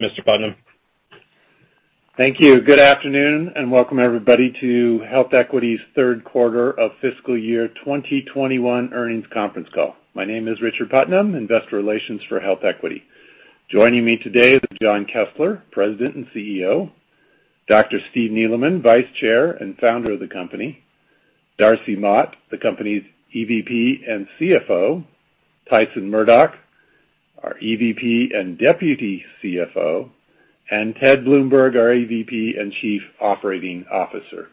Mr. Putnam. Thank you. Good afternoon, welcome everybody to HealthEquity's third quarter of fiscal year 2021 earnings conference call. My name is Richard Putnam, investor relations for HealthEquity. Joining me today is Jon Kessler, President and CEO, Dr. Steve Neeleman, Vice Chair and Founder of the company, Darcy Mott, the company's EVP and CFO, Tyson Murdock, our EVP and Deputy CFO, and Ted Bloomberg, our EVP and Chief Operating Officer.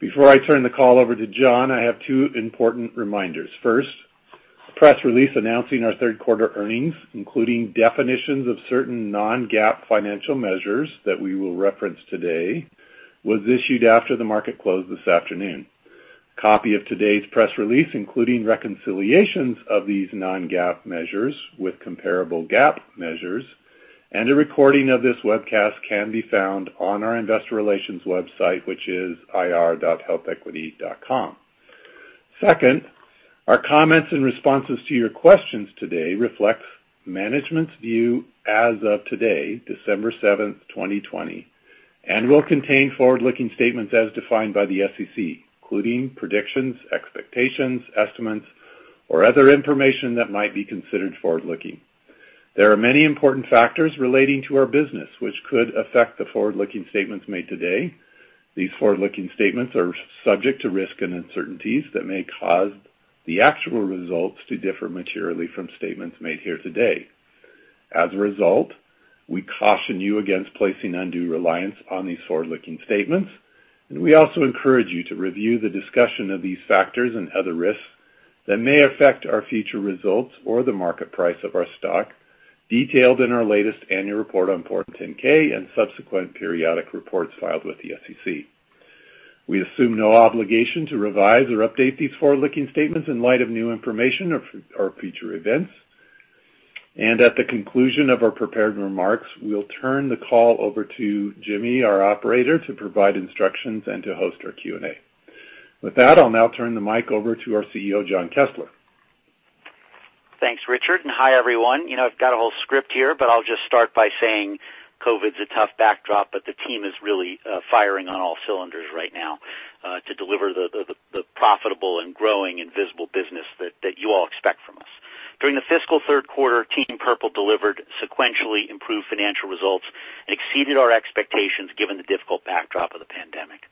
Before I turn the call over to Jon, I have two important reminders. First, press release announcing our third quarter earnings, including definitions of certain non-GAAP financial measures that we will reference today, was issued after the market closed this afternoon. Copy of today's press release, including reconciliations of these non-GAAP measures with comparable GAAP measures, and a recording of this webcast can be found on our investor relations website, which is ir.healthequity.com. Second, our comments and responses to your questions today reflect management's view as of today, December 7th, 2020, will contain forward-looking statements as defined by the SEC, including predictions, expectations, estimates, or other information that might be considered forward-looking. There are many important factors relating to our business which could affect the forward-looking statements made today. These forward-looking statements are subject to risks and uncertainties that may cause the actual results to differ materially from statements made here today. As a result, we caution you against placing undue reliance on these forward-looking statements, we also encourage you to review the discussion of these factors and other risks that may affect our future results or the market price of our stock, detailed in our latest annual report on Form 10-K and subsequent periodic reports filed with the SEC. We assume no obligation to revise or update these forward-looking statements in light of new information or future events. At the conclusion of our prepared remarks, we'll turn the call over to Jimmy, our operator, to provide instructions and to host our Q&A. With that, I'll now turn the mic over to our CEO, Jon Kessler. Thanks, Richard. Hi, everyone. I've got a whole script here, but I'll just start by saying COVID's a tough backdrop, but the team is really firing on all cylinders right now to deliver the profitable and growing and visible business that you all expect from us. During the fiscal third quarter, Team Purple delivered sequentially improved financial results and exceeded our expectations given the difficult backdrop of the pandemic.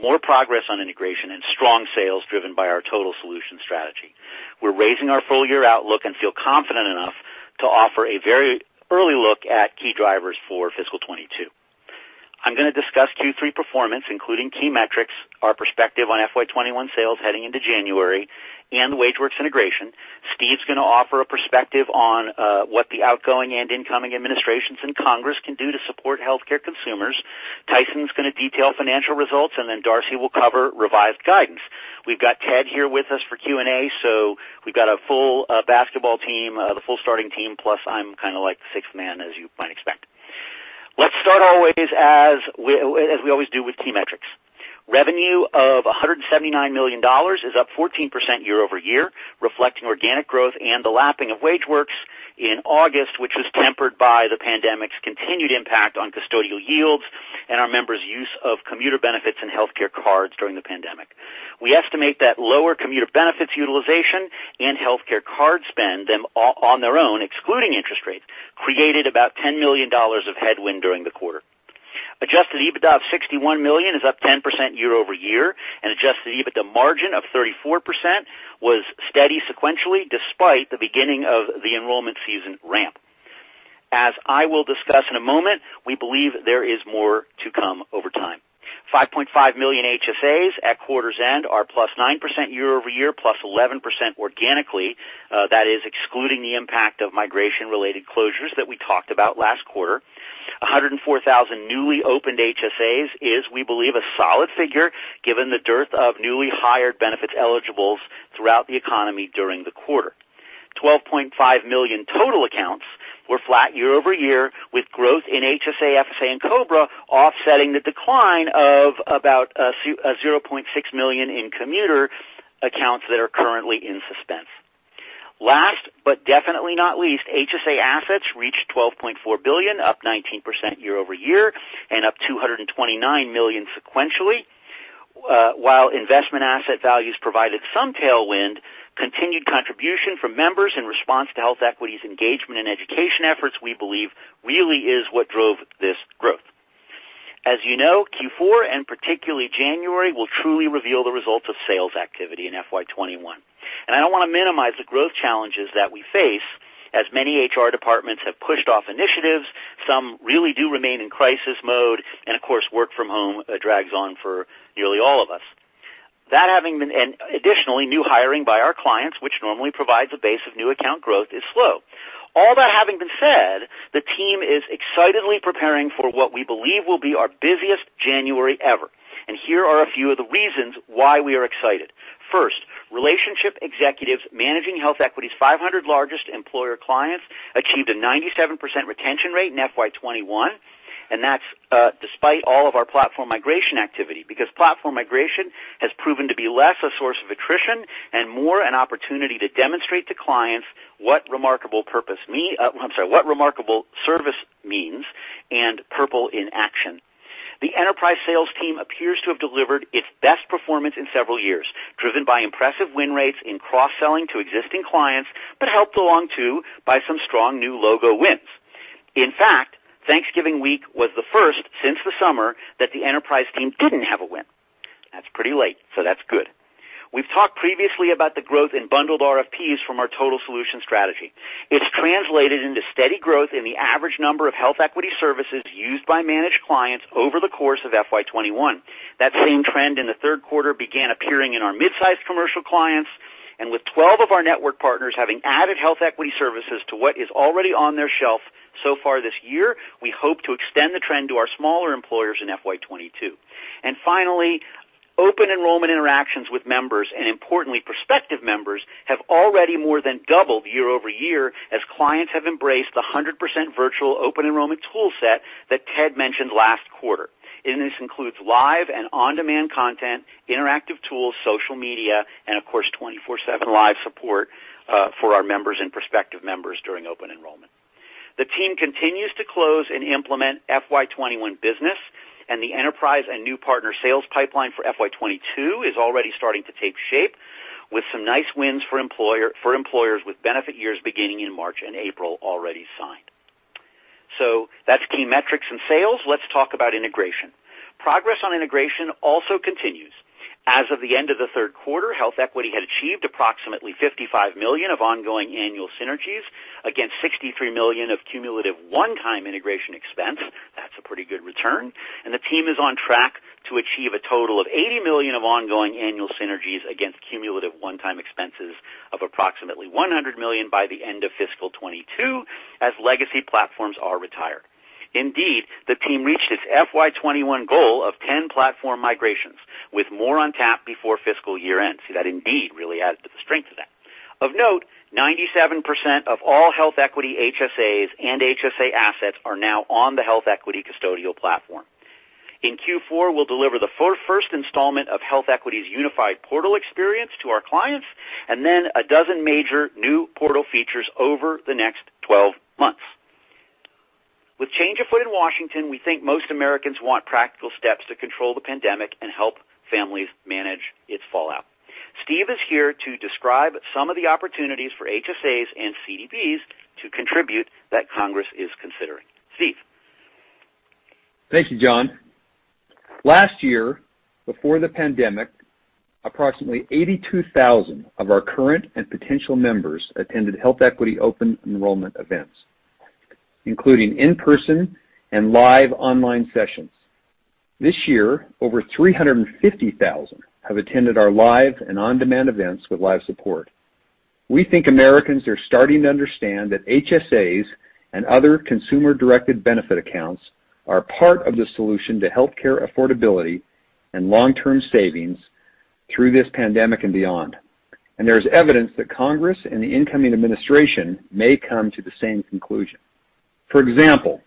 More progress on integration and strong sales driven by our total solution strategy. We're raising our full year outlook and feel confident enough to offer a very early look at key drivers for fiscal 2022. I'm going to discuss Q3 performance, including key metrics, our perspective on FY 2021 sales heading into January, and the WageWorks integration. Steve's going to offer a perspective on what the outgoing and incoming administrations in Congress can do to support healthcare consumers. Tyson's going to detail financial results, and then Darcy will cover revised guidance. We've got Ted here with us for Q&A, so we've got a full basketball team, the full starting team, plus I'm kind of like the sixth man, as you might expect. Let's start always as we always do with key metrics. Revenue of $179 million is up 14% year-over-year, reflecting organic growth and the lapping of WageWorks in August, which was tempered by the pandemic's continued impact on custodial yields and our members' use of commuter benefits and healthcare cards during the pandemic. We estimate that lower commuter benefits utilization and healthcare card spend on their own, excluding interest rates, created about $10 million of headwind during the quarter. Adjusted EBITDA of $61 million is up 10% year-over-year, and adjusted EBITDA margin of 34% was steady sequentially despite the beginning of the enrollment season ramp. As I will discuss in a moment, we believe there is more to come over time. 5.5 million HSAs at quarter's end are plus 9% year-over-year, plus 11% organically. That is excluding the impact of migration-related closures that we talked about last quarter. 104,000 newly opened HSAs is, we believe, a solid figure given the dearth of newly hired benefits eligibles throughout the economy during the quarter. 12.5 million total accounts were flat year-over-year, with growth in HSA, FSA, and COBRA offsetting the decline of about 0.6 million in commuter accounts that are currently in suspense. Last, but definitely not least, HSA assets reached $12.4 billion, up 19% year-over-year, and up $229 million sequentially. While investment asset values provided some tailwind, continued contribution from members in response to HealthEquity's engagement and education efforts, we believe, really is what drove this growth. As you know, Q4, and particularly January, will truly reveal the results of sales activity in FY 2021. I don't want to minimize the growth challenges that we face, as many HR departments have pushed off initiatives, some really do remain in crisis mode, and of course, work from home drags on for nearly all of us. Additionally, new hiring by our clients, which normally provides a base of new account growth, is slow. All that having been said, the team is excitedly preparing for what we believe will be our busiest January ever, and here are a few of the reasons why we are excited. First, relationship executives managing HealthEquity's 500 largest employer clients achieved a 97% retention rate in FY 2021. That's despite all of our platform migration activity, because platform migration has proven to be less a source of attrition and more an opportunity to demonstrate to clients what remarkable service means, and purple in action. The enterprise sales team appears to have delivered its best performance in several years, driven by impressive win rates in cross-selling to existing clients, helped along too by some strong new logo wins. Thanksgiving week was the first since the summer that the enterprise team didn't have a win. That's pretty late. That's good. We've talked previously about the growth in bundled RFPs from our total solution strategy. It's translated into steady growth in the average number of HealthEquity services used by managed clients over the course of FY 2021. That same trend in the third quarter began appearing in our mid-size commercial clients, with 12 of our network partners having added HealthEquity services to what is already on their shelf so far this year, we hope to extend the trend to our smaller employers in FY 2022. Finally, open enrollment interactions with members, and importantly, prospective members, have already more than doubled year-over-year as clients have embraced the 100% virtual open enrollment toolset that Ted mentioned last quarter. This includes live and on-demand content, interactive tools, social media, and of course, 24/7 live support for our members and prospective members during open enrollment. The team continues to close and implement FY 2021 business, the enterprise and new partner sales pipeline for FY 2022 is already starting to take shape with some nice wins for employers with benefit years beginning in March and April already signed. That's key metrics in sales. Let's talk about integration. Progress on integration also continues. As of the end of the third quarter, HealthEquity had achieved approximately $55 million of ongoing annual synergies against $63 million of cumulative one-time integration expense. That's a pretty good return. The team is on track to achieve a total of $80 million of ongoing annual synergies against cumulative one-time expenses of approximately $100 million by the end of fiscal 2022 as legacy platforms are retired. Indeed, the team reached its FY 2021 goal of 10 platform migrations with more on tap before fiscal year-end. That indeed really adds to the strength of that. Of note, 97% of all HealthEquity HSAs and HSA assets are now on the HealthEquity custodial platform. In Q4, we'll deliver the first installment of HealthEquity's unified portal experience to our clients, then a dozen major new portal features over the next 12 months. With change afoot in Washington, we think most Americans want practical steps to control the pandemic and help families manage its fallout. Steve is here to describe some of the opportunities for HSAs and CDBs to contribute that Congress is considering. Steve. Thank you, Jon. Last year, before the pandemic, approximately 82,000 of our current and potential members attended HealthEquity open enrollment events, including in-person and live online sessions. This year, over 350,000 have attended our live and on-demand events with live support. We think Americans are starting to understand that HSAs and other consumer-directed benefit accounts are part of the solution to healthcare affordability and long-term savings through this pandemic and beyond. There is evidence that Congress and the incoming administration may come to the same conclusion. For example,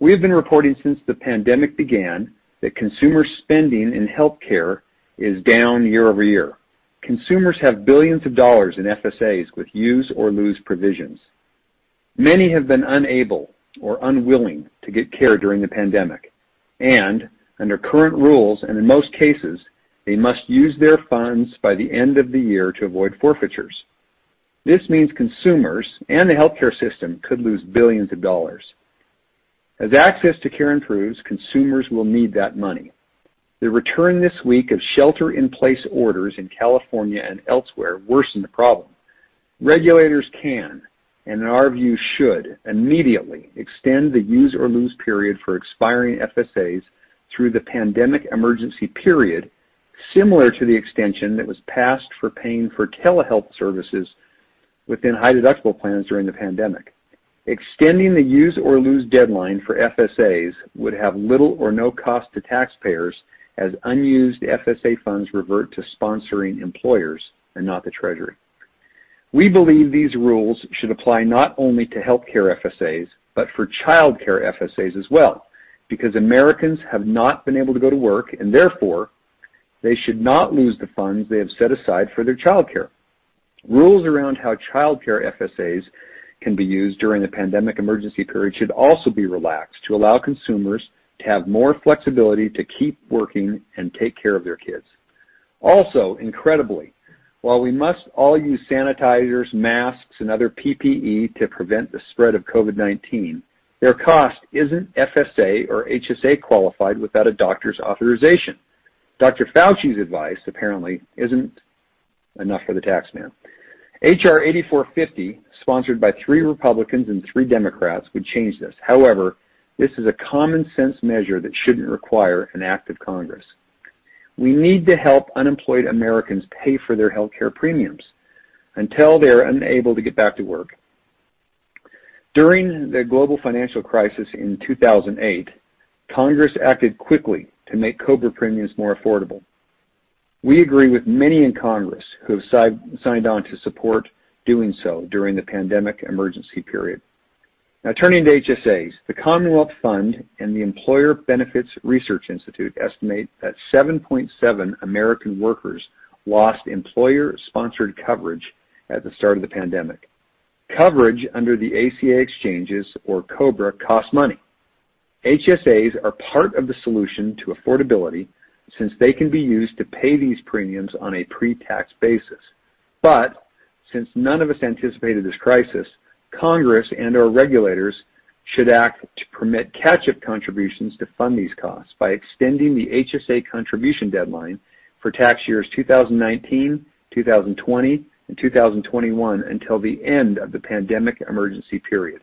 we have been reporting since the pandemic began that consumer spending in healthcare is down year-over-year. Consumers have $billions in FSAs with use or lose provisions. Many have been unable or unwilling to get care during the pandemic, and under current rules, and in most cases, they must use their funds by the end of the year to avoid forfeitures. This means consumers and the healthcare system could lose $billions. As access to care improves, consumers will need that money. The return this week of shelter-in-place orders in California and elsewhere worsen the problem. Regulators can, and in our view, should immediately extend the use or lose period for expiring FSAs through the pandemic emergency period, similar to the extension that was passed for paying for telehealth services within high deductible plans during the pandemic. Extending the use or lose deadline for FSAs would have little or no cost to taxpayers, as unused FSA funds revert to sponsoring employers and not the treasury. We believe these rules should apply not only to healthcare FSAs, but for childcare FSAs as well. Americans have not been able to go to work, and therefore, they should not lose the funds they have set aside for their childcare. Rules around how childcare FSAs can be used during the pandemic emergency period should also be relaxed to allow consumers to have more flexibility to keep working and take care of their kids. Incredibly, while we must all use sanitizers, masks, and other PPE to prevent the spread of COVID-19, their cost isn't FSA or HSA qualified without a doctor's authorization. Dr. Fauci's advice, apparently, isn't enough for the tax man. H.R.8450, sponsored by three Republicans and three Democrats, would change this. This is a common sense measure that shouldn't require an act of Congress. We need to help unemployed Americans pay for their healthcare premiums until they're unable to get back to work. During the global financial crisis in 2008, Congress acted quickly to make COBRA premiums more affordable. We agree with many in Congress who have signed on to support doing so during the pandemic emergency period. Turning to HSAs. The Commonwealth Fund and the Employee Benefit Research Institute estimate that 7.7 American workers lost employer-sponsored coverage at the start of the pandemic. Coverage under the ACA exchanges or COBRA costs money. HSAs are part of the solution to affordability since they can be used to pay these premiums on a pre-tax basis. Since none of us anticipated this crisis, Congress and our regulators should act to permit catch-up contributions to fund these costs by extending the HSA contribution deadline for tax years 2019, 2020, and 2021 until the end of the pandemic emergency period.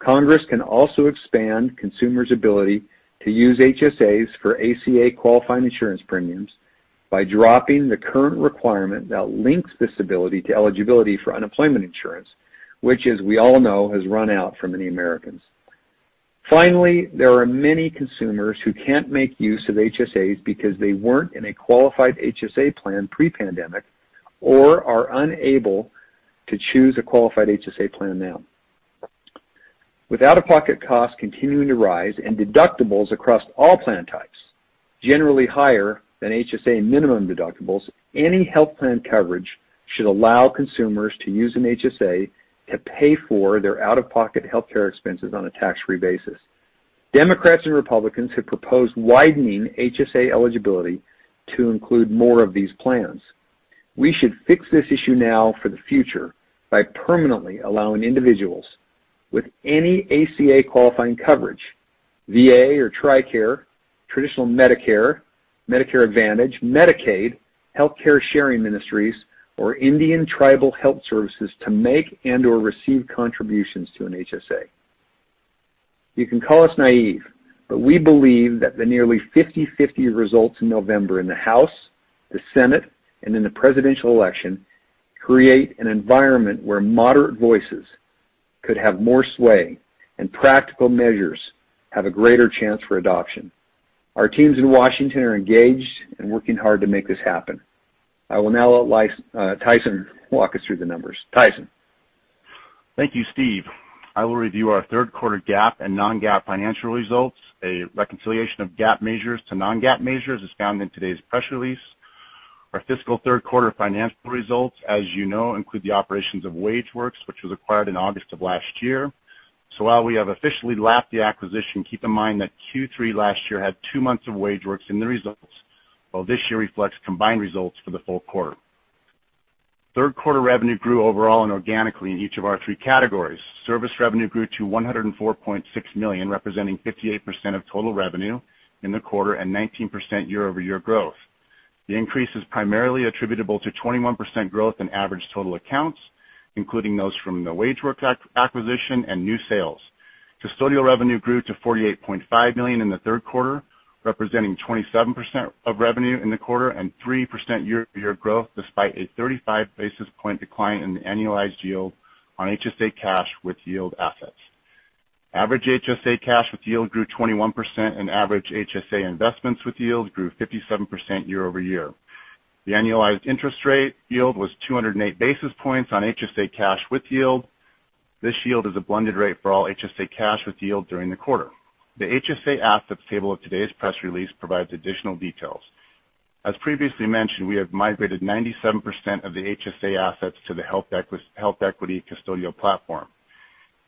Congress can also expand consumers' ability to use HSAs for ACA qualifying insurance premiums by dropping the current requirement that links this ability to eligibility for unemployment insurance, which as we all know, has run out for many Americans. Finally, there are many consumers who can't make use of HSAs because they weren't in a qualified HSA plan pre-pandemic or are unable to choose a qualified HSA plan now. With out-of-pocket costs continuing to rise and deductibles across all plan types generally higher than HSA minimum deductibles, any health plan coverage should allow consumers to use an HSA to pay for their out-of-pocket healthcare expenses on a tax-free basis. Democrats and Republicans have proposed widening HSA eligibility to include more of these plans. We should fix this issue now for the future by permanently allowing individuals with any ACA qualifying coverage, VA or TRICARE, traditional Medicare Advantage, Medicaid, healthcare sharing ministries, or Indian tribal health services to make and/or receive contributions to an HSA. You can call us naive, but we believe that the nearly 50/50 results in November in the House, the Senate, and in the presidential election create an environment where moderate voices could have more sway and practical measures have a greater chance for adoption. Our teams in Washington are engaged and working hard to make this happen. I will now let Tyson walk us through the numbers. Tyson. Thank you, Steve. I will review our third quarter GAAP and non-GAAP financial results. A reconciliation of GAAP measures to non-GAAP measures is found in today's press release. While we have officially lapped the acquisition, keep in mind that Q3 last year had two months of WageWorks in the results, while this year reflects combined results for the full quarter. Third quarter revenue grew overall and organically in each of our 3 categories. Service revenue grew to $104.6 million, representing 58% of total revenue in the quarter and 19% year-over-year growth. The increase is primarily attributable to 21% growth in average total accounts, including those from the WageWorks acquisition and new sales. Custodial revenue grew to $48.5 million in the third quarter, representing 27% of revenue in the quarter and 3% year-over-year growth, despite a 35 basis point decline in the annualized yield on HSA cash with yield assets. Average HSA cash with yield grew 21%, and average HSA investments with yield grew 57% year-over-year. The annualized interest rate yield was 208 basis points on HSA cash with yield. This yield is a blended rate for all HSA cash with yield during the quarter. The HSA assets table of today's press release provides additional details. As previously mentioned, we have migrated 97% of the HSA assets to the HealthEquity custodial platform.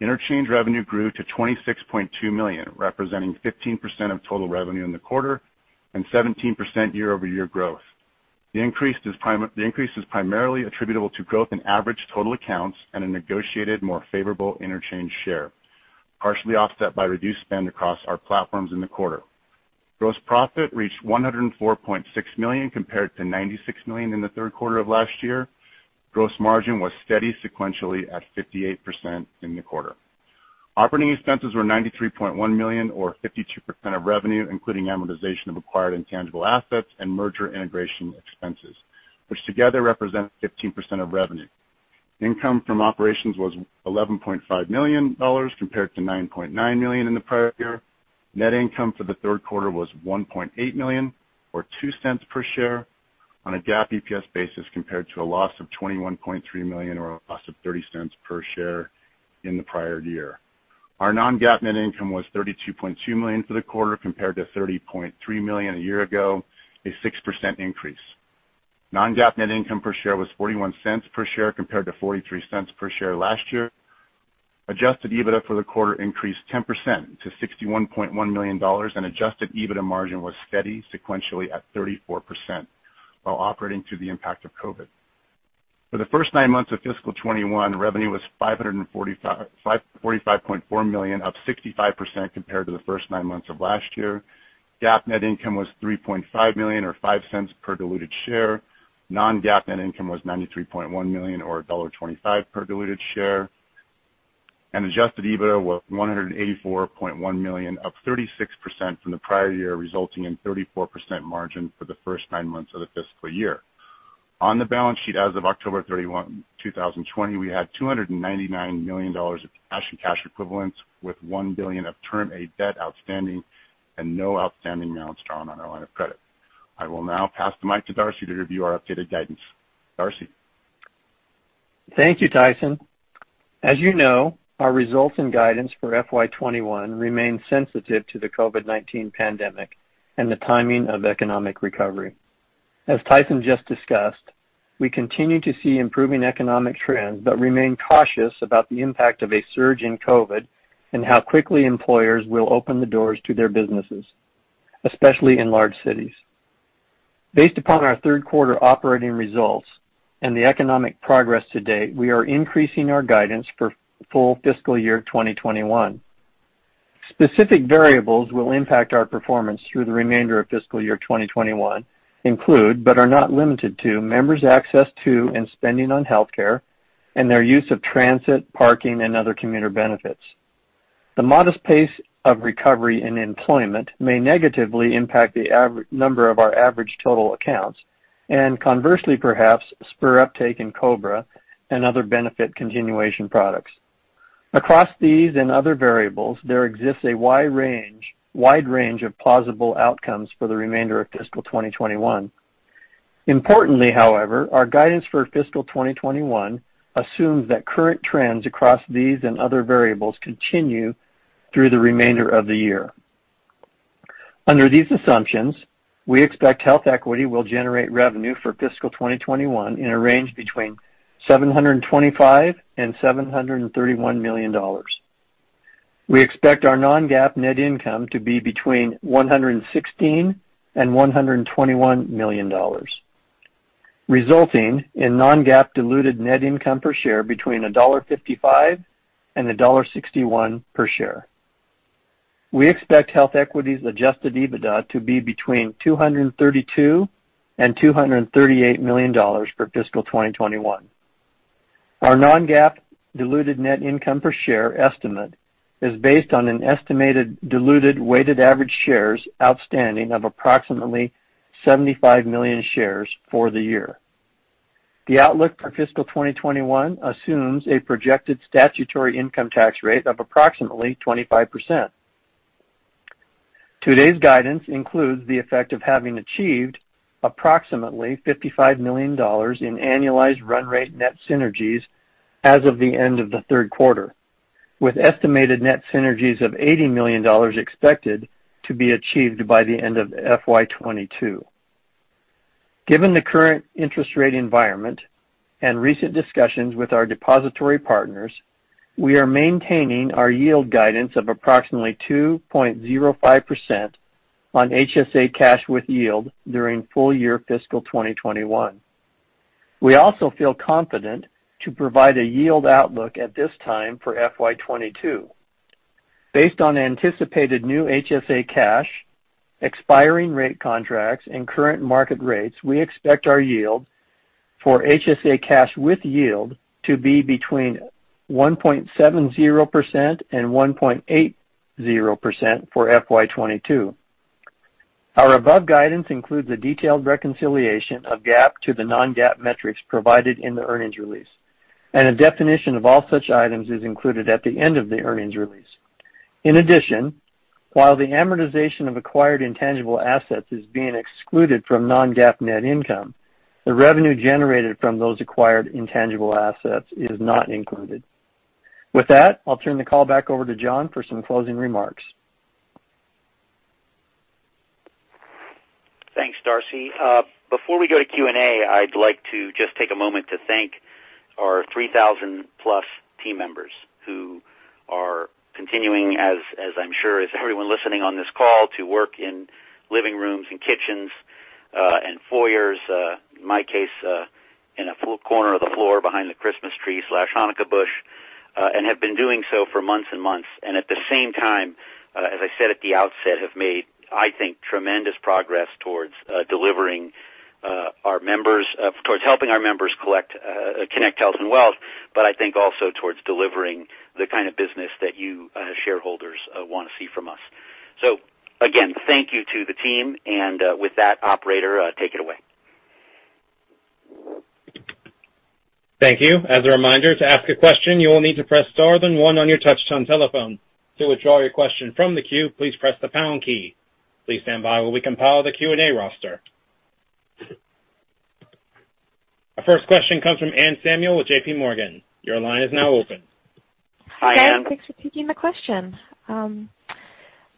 Interchange revenue grew to $26.2 million, representing 15% of total revenue in the quarter and 17% year-over-year growth. The increase is primarily attributable to growth in average total accounts and a negotiated more favorable interchange share, partially offset by reduced spend across our platforms in the quarter. Gross profit reached $104.6 million compared to $96 million in the third quarter of last year. Gross margin was steady sequentially at 58% in the quarter. Operating expenses were $93.1 million or 52% of revenue, including amortization of acquired intangible assets and merger integration expenses, which together represent 15% of revenue. Income from operations was $11.5 million compared to $9.9 million in the prior year. Net income for the third quarter was $1.8 million or $0.02 per share on a GAAP EPS basis compared to a loss of $21.3 million or a loss of $0.30 per share in the prior year. Our non-GAAP net income was $32.2 million for the quarter compared to $30.3 million a year ago, a 6% increase. Non-GAAP net income per share was $0.41 per share compared to $0.43 per share last year. Adjusted EBITDA for the quarter increased 10% to $61.1 million, and adjusted EBITDA margin was steady sequentially at 34% while operating through the impact of COVID. For the first nine months of fiscal 2021, revenue was $545.4 million, up 65% compared to the first nine months of last year. GAAP net income was $3.5 million or $0.05 per diluted share. Non-GAAP net income was $93.1 million or $1.25 per diluted share. Adjusted EBITDA was $184.1 million, up 36% from the prior year, resulting in 34% margin for the first nine months of the fiscal year. On the balance sheet as of October 31, 2020, we had $299 million of cash and cash equivalents, with $1 billion of Term A debt outstanding and no outstanding balance drawn on our line of credit. I will now pass the mic to Darcy to review our updated guidance. Darcy? Thank you, Tyson. As you know, our results and guidance for FY 2021 remain sensitive to the COVID-19 pandemic and the timing of economic recovery. As Tyson just discussed, we continue to see improving economic trends but remain cautious about the impact of a surge in COVID and how quickly employers will open the doors to their businesses, especially in large cities. Based upon our third quarter operating results and the economic progress to date, we are increasing our guidance for full fiscal year 2021. Specific variables will impact our performance through the remainder of fiscal year 2021 include, but are not limited to, members' access to and spending on healthcare and their use of transit, parking, and other commuter benefits. The modest pace of recovery in employment may negatively impact the number of our average total accounts and conversely, perhaps, spur uptake in COBRA and other benefit continuation products. Across these and other variables, there exists a wide range of plausible outcomes for the remainder of fiscal 2021. Importantly, however, our guidance for fiscal 2021 assumes that current trends across these and other variables continue through the remainder of the year. Under these assumptions, we expect HealthEquity will generate revenue for fiscal 2021 in a range between $725 million and $731 million. We expect our non-GAAP net income to be between $116 million and $121 million, resulting in non-GAAP diluted net income per share between $1.55 and $1.61 per share. We expect HealthEquity's adjusted EBITDA to be between $232 million and $238 million for fiscal 2021. Our non-GAAP diluted net income per share estimate is based on an estimated diluted weighted average shares outstanding of approximately 75 million shares for the year. The outlook for fiscal 2021 assumes a projected statutory income tax rate of approximately 25%. Today's guidance includes the effect of having achieved approximately $55 million in annualized run rate net synergies as of the end of the third quarter, with estimated net synergies of $80 million expected to be achieved by the end of FY 2022. Given the current interest rate environment and recent discussions with our depository partners, we are maintaining our yield guidance of approximately 2.05% on HSA cash with yield during full year fiscal 2021. We also feel confident to provide a yield outlook at this time for FY 2022. Based on anticipated new HSA cash, expiring rate contracts, and current market rates, we expect our yield for HSA cash with yield to be between 1.70% and 1.80% for FY 2022. Our above guidance includes a detailed reconciliation of GAAP to the non-GAAP metrics provided in the earnings release. A definition of all such items is included at the end of the earnings release. In addition, while the amortization of acquired intangible assets is being excluded from non-GAAP net income, the revenue generated from those acquired intangible assets is not included. With that, I'll turn the call back over to Jon for some closing remarks. Thanks, Darcy. Before we go to Q&A, I'd like to just take a moment to thank our 3,000-plus team members who are continuing, as I'm sure as everyone listening on this call, to work in living rooms and kitchens, and foyers, in my case, in a corner of the floor behind the Christmas tree/Hanukkah bush, and have been doing so for months and months. At the same time, as I said at the outset, have made, I think, tremendous progress towards helping our members connect health and wealth, but I think also towards delivering the kind of business that you shareholders want to see from us. Again, thank you to the team, with that, operator, take it away. Thank you. As a reminder, to ask a question, you will need to press star, then one on your touchtone telephone. To withdraw your question from the queue, please press the pound key. Please stand by while we compile the Q&A roster. Our first question comes from Anne Samuel with JPMorgan. Your line is now open. Hi, Anne. Hi. Thanks for taking the question.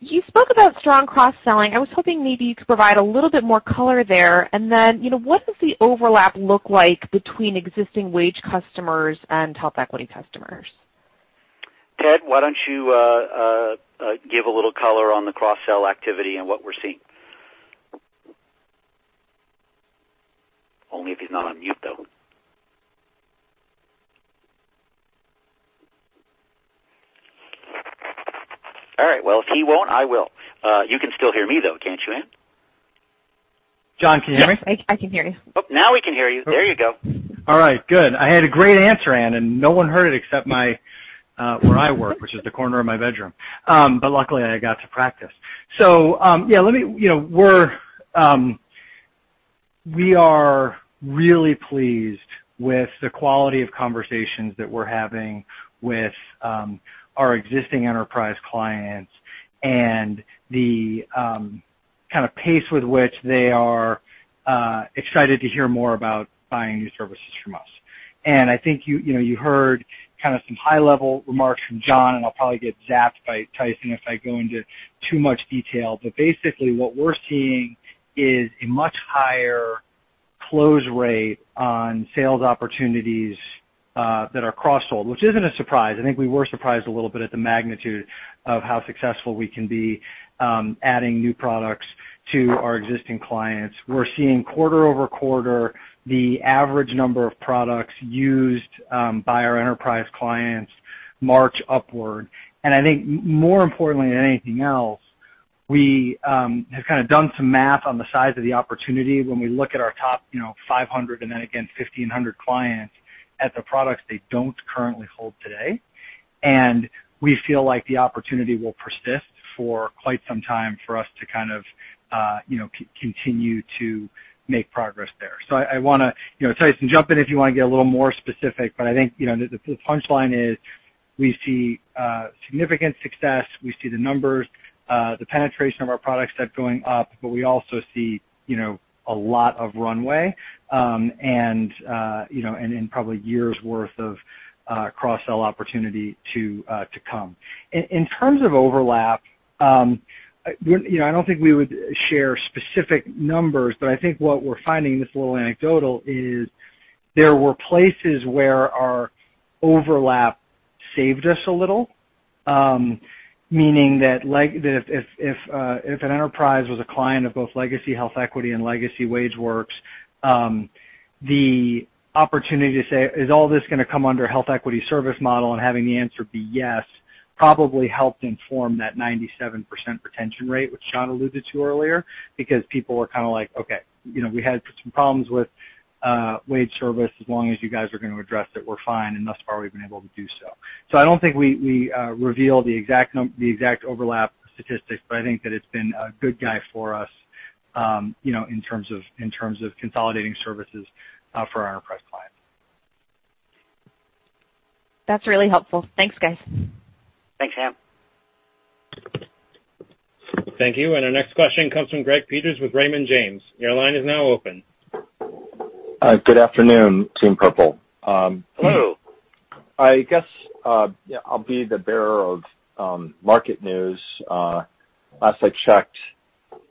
You spoke about strong cross-selling. I was hoping maybe you could provide a little bit more color there. What does the overlap look like between existing wage customers and HealthEquity customers? Ted, why don't you give a little color on the cross-sell activity and what we're seeing. Only if he's not on mute, though. All right. Well, if he won't, I will. You can still hear me, though, can't you, Anne? Jon, can you hear me? Yes, I can hear you. Oh, now we can hear you. There you go. All right, good. I had a great answer, Anne. No one heard it except my Where I work, which is the corner of my bedroom. Luckily, I got to practice. Yeah, we are really pleased with the quality of conversations that we're having with our existing enterprise clients and the pace with which they are excited to hear more about buying new services from us. I think you heard some high-level remarks from Jon, and I'll probably get zapped by Tyson if I go into too much detail. Basically, what we're seeing is a much higher close rate on sales opportunities that are cross-sold, which isn't a surprise. I think we were surprised a little bit at the magnitude of how successful we can be adding new products to our existing clients. We're seeing quarter-over-quarter, the average number of products used by our enterprise clients march upward. I think more importantly than anything else, we have done some math on the size of the opportunity when we look at our top 500 and then again, 1,500 clients at the products they don't currently hold today. We feel like the opportunity will persist for quite some time for us to continue to make progress there. Tyson, jump in if you want to get a little more specific. I think the punchline is we see significant success. We see the numbers, the penetration of our product set going up. We also see a lot of runway, and probably years worth of cross-sell opportunity to come. In terms of overlap, I don't think we would share specific numbers. I think what we're finding, and this is a little anecdotal, is there were places where our overlap saved us a little, meaning that if an enterprise was a client of both legacy HealthEquity and legacy WageWorks, the opportunity to say, "Is all this going to come under HealthEquity service model?" and having the answer be yes, probably helped inform that 97% retention rate, which Jon alluded to earlier, because people were like, "Okay. We had some problems with wage service. As long as you guys are going to address it, we're fine." Thus far, we've been able to do so. I don't think we reveal the exact overlap statistics, but I think that it's been a good guy for us in terms of consolidating services for our enterprise clients. That's really helpful. Thanks, guys. Thanks, Pam. Thank you. Our next question comes from Greg Peters with Raymond James. Your line is now open. Good afternoon, Team Purple. Hello. I guess, I'll be the bearer of market news. Last I checked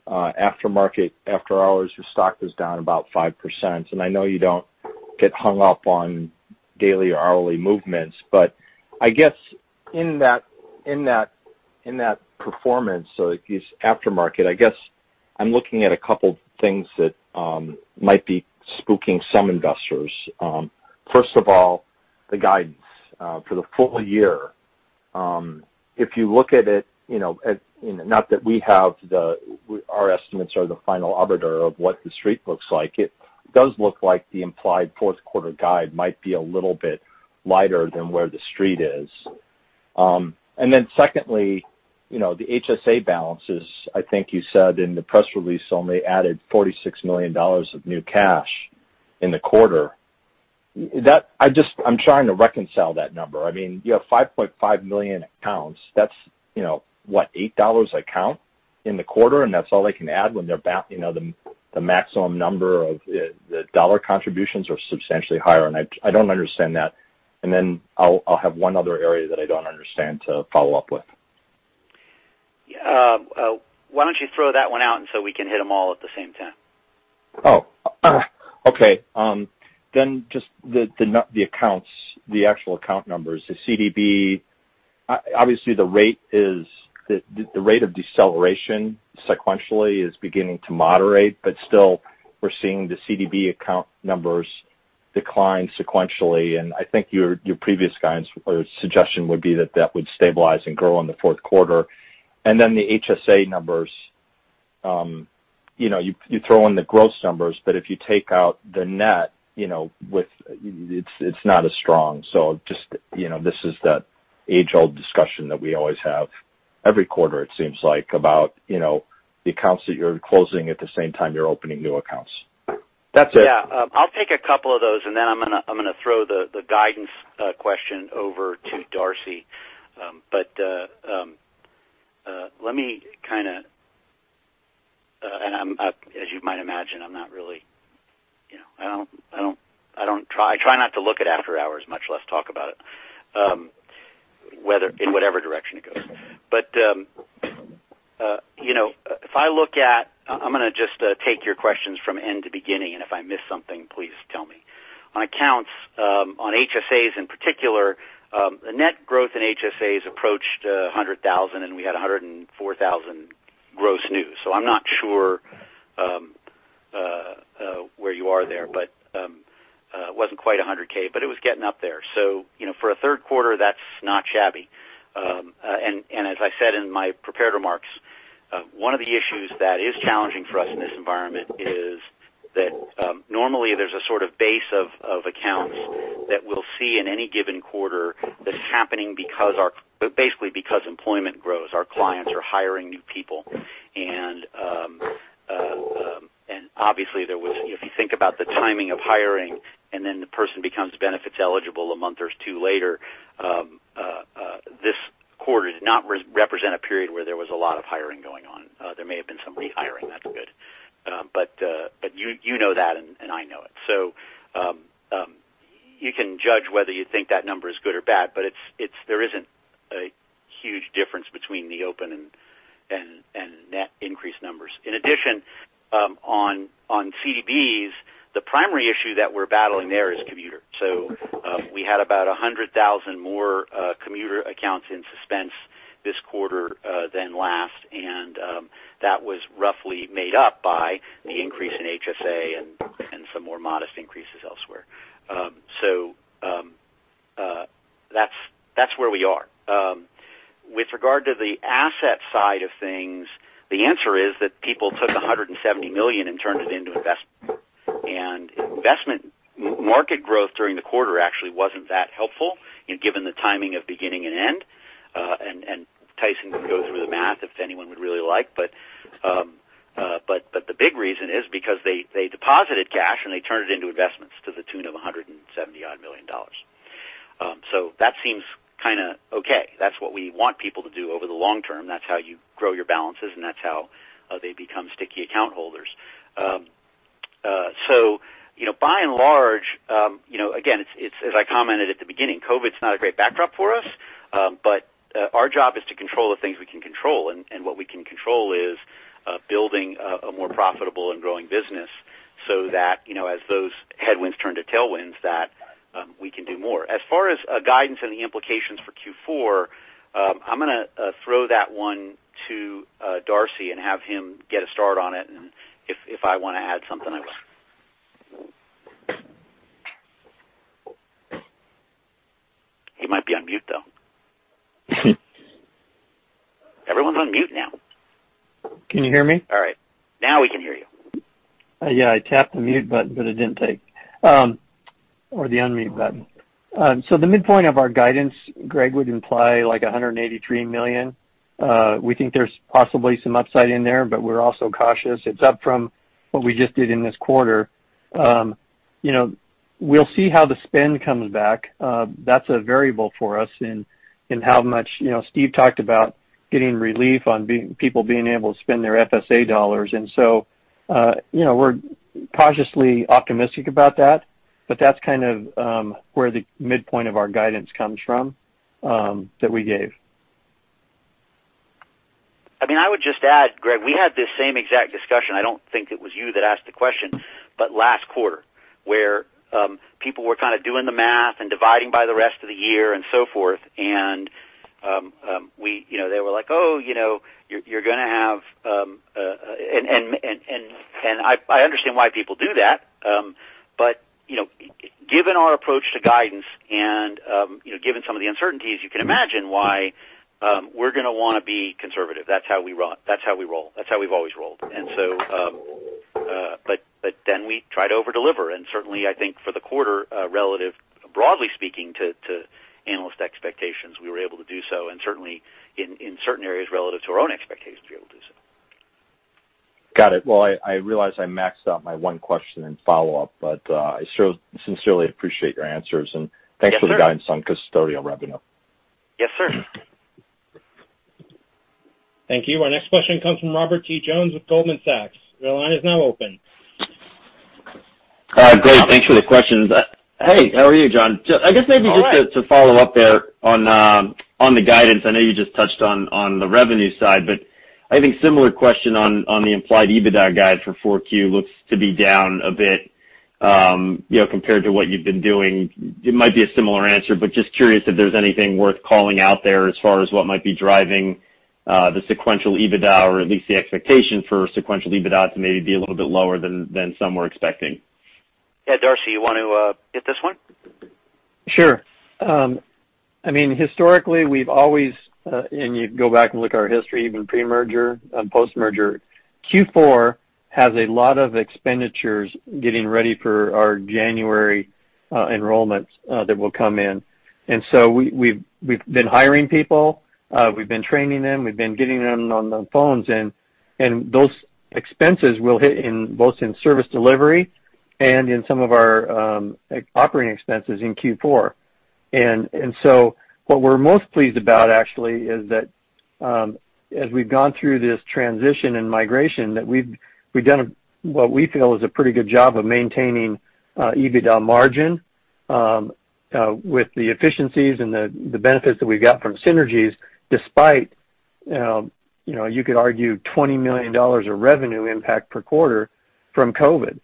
after market, after hours, your stock was down about 5%. I know you don't get hung up on daily or hourly movements, but I guess in that performance, so at least after market, I guess I'm looking at a couple things that might be spooking some investors. First of all, the guidance. For the full year, if you look at it, not that we have our estimates are the final arbiter of what The Street looks like, it does look like the implied fourth quarter guide might be a little bit lighter than where The Street is. Secondly, the HSA balances, I think you said in the press release only added $46 million of new cash in the quarter. I'm trying to reconcile that number. You have 5.5 million accounts. That's what, $8 account in the quarter, and that's all they can add when the maximum number of the dollar contributions are substantially higher, and I don't understand that. I'll have one other area that I don't understand to follow up with. Why don't you throw that one out, and so we can hit them all at the same time? Oh. Okay. Just the accounts, the actual account numbers, the CDB. Obviously, the rate of deceleration sequentially is beginning to moderate, but still, we're seeing the CDB account numbers decline sequentially, I think your previous guidance or suggestion would be that that would stabilize and grow in the fourth quarter. The HSA numbers. You throw in the gross numbers, but if you take out the net, it's not as strong. Just, this is that age-old discussion that we always have every quarter, it seems like, about the accounts that you're closing at the same time you're opening new accounts. That's it. Yeah. I'll take a couple of those, I'm going to throw the guidance question over to Darcy. Let me As you might imagine, I try not to look at after hours, much less talk about it, in whatever direction it goes. If I look at, I'm going to just take your questions from end to beginning, and if I miss something, please tell me. On accounts, on HSAs in particular, the net growth in HSAs approached 100,000, we had 104,000 gross news. I'm not sure where you are there. It wasn't quite 100K, but it was getting up there. For a third quarter, that's not shabby. As I said in my prepared remarks One of the issues that is challenging for us in this environment is that normally there's a sort of base of accounts that we'll see in any given quarter that's happening basically because employment grows, our clients are hiring new people. Obviously, if you think about the timing of hiring, and then the person becomes benefits eligible a month or two later, this quarter did not represent a period where there was a lot of hiring going on. There may have been some rehiring. That's good. You know that, and I know it. You can judge whether you think that number is good or bad, but there isn't a huge difference between the open and net increase numbers. In addition, on CDBs, the primary issue that we're battling there is commuter. We had about 100,000 more commuter accounts in suspense this quarter, than last, and that was roughly made up by the increase in HSA and some more modest increases elsewhere. That's where we are. With regard to the asset side of things, the answer is that people took $170 million and turned it into investment. Investment market growth during the quarter actually wasn't that helpful given the timing of beginning and end. Tyson can go through the math if anyone would really like. The big reason is because they deposited cash, and they turned it into investments to the tune of $170-odd million. That seems kind of okay. That's what we want people to do over the long term. That's how you grow your balances, and that's how they become sticky account holders. By and large, again, as I commented at the beginning, COVID-19's not a great backdrop for us. Our job is to control the things we can control. What we can control is building a more profitable and growing business so that as those headwinds turn to tailwinds, that we can do more. As far as guidance and the implications for Q4, I'm going to throw that one to Darcy and have him get a start on it. If I want to add something, I will. He might be on mute, though. Everyone's on mute now. Can you hear me? All right. Now we can hear you. Yeah, I tapped the mute button, but it didn't take. The unmute button. The midpoint of our guidance, Greg, would imply like $183 million. We think there's possibly some upside in there, but we're also cautious. It's up from what we just did in this quarter. We'll see how the spend comes back. That's a variable for us in how much Steve talked about getting relief on people being able to spend their FSA dollars. We're cautiously optimistic about that, but that's kind of where the midpoint of our guidance comes from, that we gave. I mean, I would just add, Greg, we had this same exact discussion, I don't think it was you that asked the question, but last quarter, where people were kind of doing the math and dividing by the rest of the year and so forth. They were like, "Oh, you're going to have" I understand why people do that. Given our approach to guidance and given some of the uncertainties, you can imagine why we're going to want to be conservative. That's how we roll. That's how we've always rolled. We try to over-deliver, and certainly, I think for the quarter, broadly speaking to analyst expectations, we were able to do so, and certainly in certain areas relative to our own expectations, we were able to do so. Got it. Well, I realize I maxed out my one question and follow-up, but I sincerely appreciate your answers. Yes, sir. Thanks for the guidance on custodial revenue. Yes, sir. Thank you. Our next question comes from Robert T. Jones with Goldman Sachs. Your line is now open. Great. Thanks for the questions. Hey, how are you, Jon? I'm all right. I guess maybe just to follow up there on the guidance. I know you just touched on the revenue side, but I think similar question on the implied EBITDA guide for 4Q looks to be down a bit, compared to what you've been doing. It might be a similar answer, but just curious if there's anything worth calling out there as far as what might be driving the sequential EBITDA, or at least the expectation for sequential EBITDA to maybe be a little bit lower than some were expecting. Yeah. Darcy, you want to get this one? Sure. Historically, we've always, and you can go back and look at our history, even pre-merger, post-merger, Q4 has a lot of expenditures getting ready for our January enrollments that will come in. We've been hiring people. We've been training them. We've been getting them on the phones, and those expenses will hit both in service delivery and in some of our operating expenses in Q4. What we're most pleased about, actually, is that as we've gone through this transition and migration, that we've done what we feel is a pretty good job of maintaining EBITDA margin with the efficiencies and the benefits that we've got from synergies, despite, you could argue $20 million of revenue impact per quarter from COVID.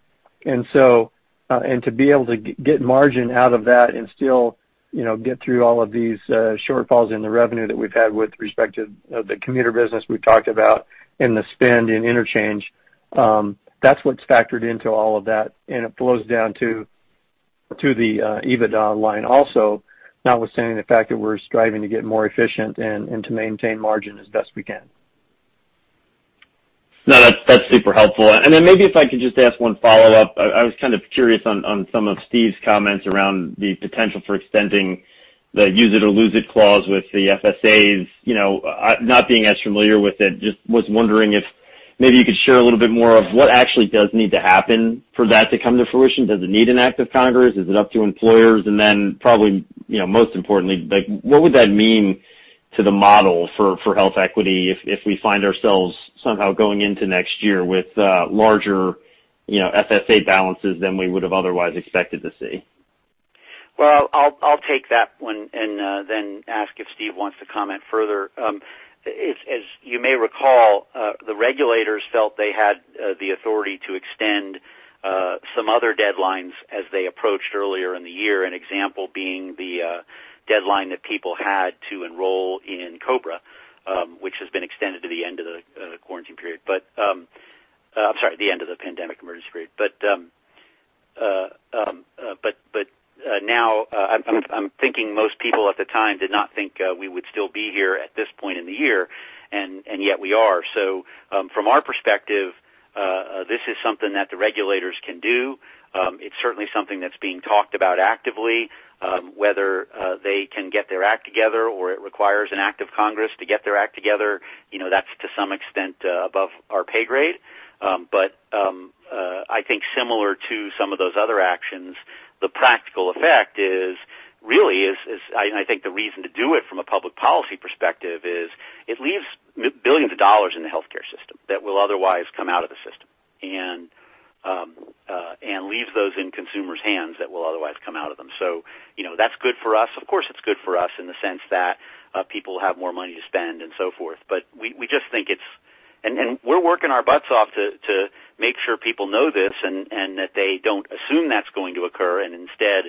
To be able to get margin out of that and still get through all of these shortfalls in the revenue that we've had with respect to the commuter business we've talked about and the spend in interchange, that's what's factored into all of that, and it flows down to To the EBITDA line also, notwithstanding the fact that we're striving to get more efficient and to maintain margin as best we can. No, that's super helpful. Maybe if I could just ask one follow-up. I was kind of curious on some of Steve's comments around the potential for extending the use it or lose it clause with the FSAs. Not being as familiar with it, just was wondering if maybe you could share a little bit more of what actually does need to happen for that to come to fruition. Does it need an Act of Congress? Is it up to employers? Probably, most importantly, what would that mean to the model for HealthEquity if we find ourselves somehow going into next year with larger FSA balances than we would have otherwise expected to see? Well, I'll take that one and then ask if Steve wants to comment further. As you may recall, the regulators felt they had the authority to extend some other deadlines as they approached earlier in the year. An example being the deadline that people had to enroll in COBRA, which has been extended to the end of the quarantine period. I'm sorry, the end of the pandemic emergency period. I'm thinking most people at the time did not think we would still be here at this point in the year, and yet we are. From our perspective, this is something that the regulators can do. It's certainly something that's being talked about actively, whether they can get their act together or it requires an Act of Congress to get their act together. That's to some extent, above our pay grade. I think similar to some of those other actions, the practical effect is really is, and I think the reason to do it from a public policy perspective is it leaves billions of dollars in the healthcare system that will otherwise come out of the system, and leaves those in consumers' hands that will otherwise come out of them. That's good for us. Of course, it's good for us in the sense that people have more money to spend and so forth. We're working our butts off to make sure people know this and that they don't assume that's going to occur and instead,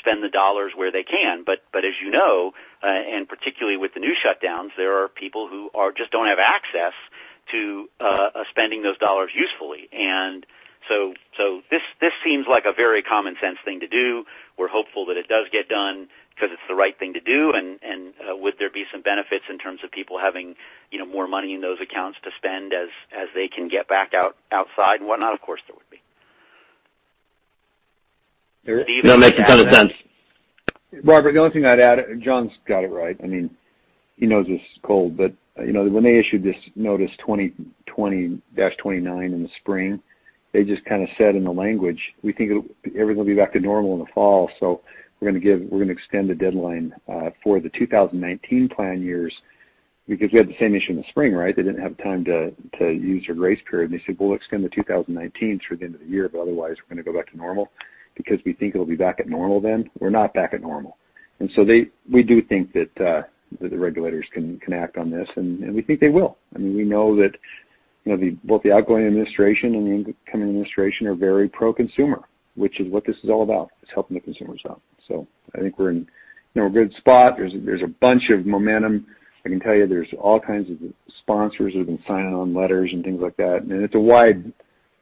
spend the dollars where they can. As you know, and particularly with the new shutdowns, there are people who just don't have access to spending those dollars usefully. This seems like a very common sense thing to do. We're hopeful that it does get done because it's the right thing to do. Would there be some benefits in terms of people having more money in those accounts to spend as they can get back outside and whatnot? Of course, there would be. That makes a ton of sense. Robert, the only thing I'd add, Jon's got it right. He knows this is cold. When they issued this Notice 2020-29 in the spring, they just kind of said in the language, we think everything will be back to normal in the fall, so we're going to extend the deadline for the 2019 plan years because we had the same issue in the spring, right? They didn't have time to use their grace period. They said, "We'll extend the 2019 through the end of the year, but otherwise we're going to go back to normal because we think it'll be back at normal then." We're not back at normal. We do think that the regulators can act on this, and we think they will. We know that both the outgoing administration and the incoming administration are very pro-consumer, which is what this is all about, is helping the consumers out. I think we're in a good spot. There's a bunch of momentum. I can tell you there's all kinds of sponsors who've been signing on letters and things like that. It's a wide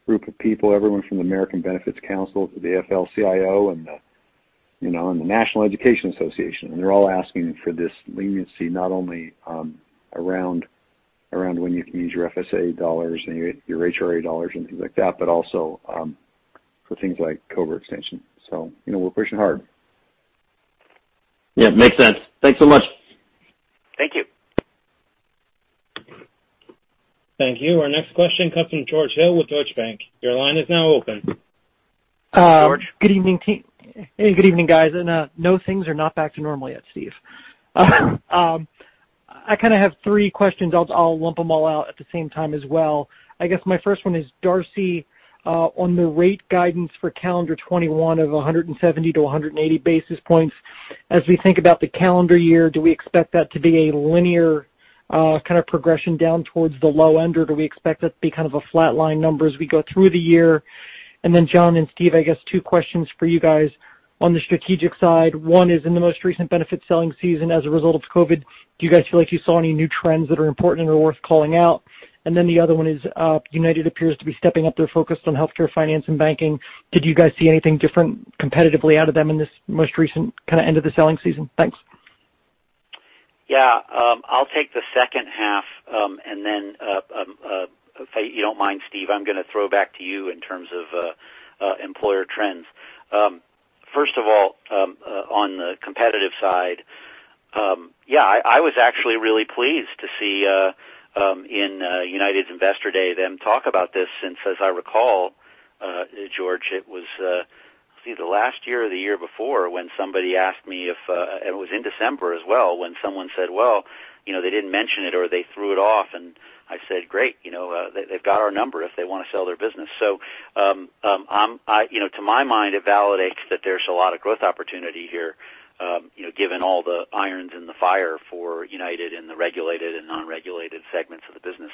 group of people, everyone from the American Benefits Council to the AFL-CIO and the National Education Association. They're all asking for this leniency not only around when you can use your FSA dollars and your HRA dollars and things like that, but also for things like COBRA extension. We're pushing hard. Yeah, makes sense. Thanks so much. Thank you. Thank you. Our next question comes from George Hill with Deutsche Bank. Your line is now open. George? Good evening, team. Good evening, guys. No, things are not back to normal yet, Steve. I kind of have three questions. I will lump them all out at the same time as well. I guess my first one is, Darcy, on the rate guidance for calendar 2021 of 170-180 basis points. As we think about the calendar year, do we expect that to be a linear kind of progression down towards the low end, or do we expect that to be kind of a flat line number as we go through the year? Jon and Steve, I guess two questions for you guys. On the strategic side, one is in the most recent benefit selling season as a result of COVID, do you guys feel like you saw any new trends that are important or worth calling out? The other one is, United appears to be stepping up their focus on healthcare finance and banking. Did you guys see anything different competitively out of them in this most recent kind of end of the selling season? Thanks. Yeah. I'll take the second half, if you don't mind, Steve, I'm going to throw back to you in terms of employer trends. First of all, on the competitive side, yeah, I was actually really pleased to see in United's Investor Day them talk about this since as I recall, George, it was, I think the last year or the year before when somebody asked me. It was in December as well when someone said, "Well, they didn't mention it," or, "They threw it off." I said, "Great. They've got our number if they want to sell their business." To my mind, it validates that there's a lot of growth opportunity here given all the irons in the fire for United in the regulated and non-regulated segments of the business.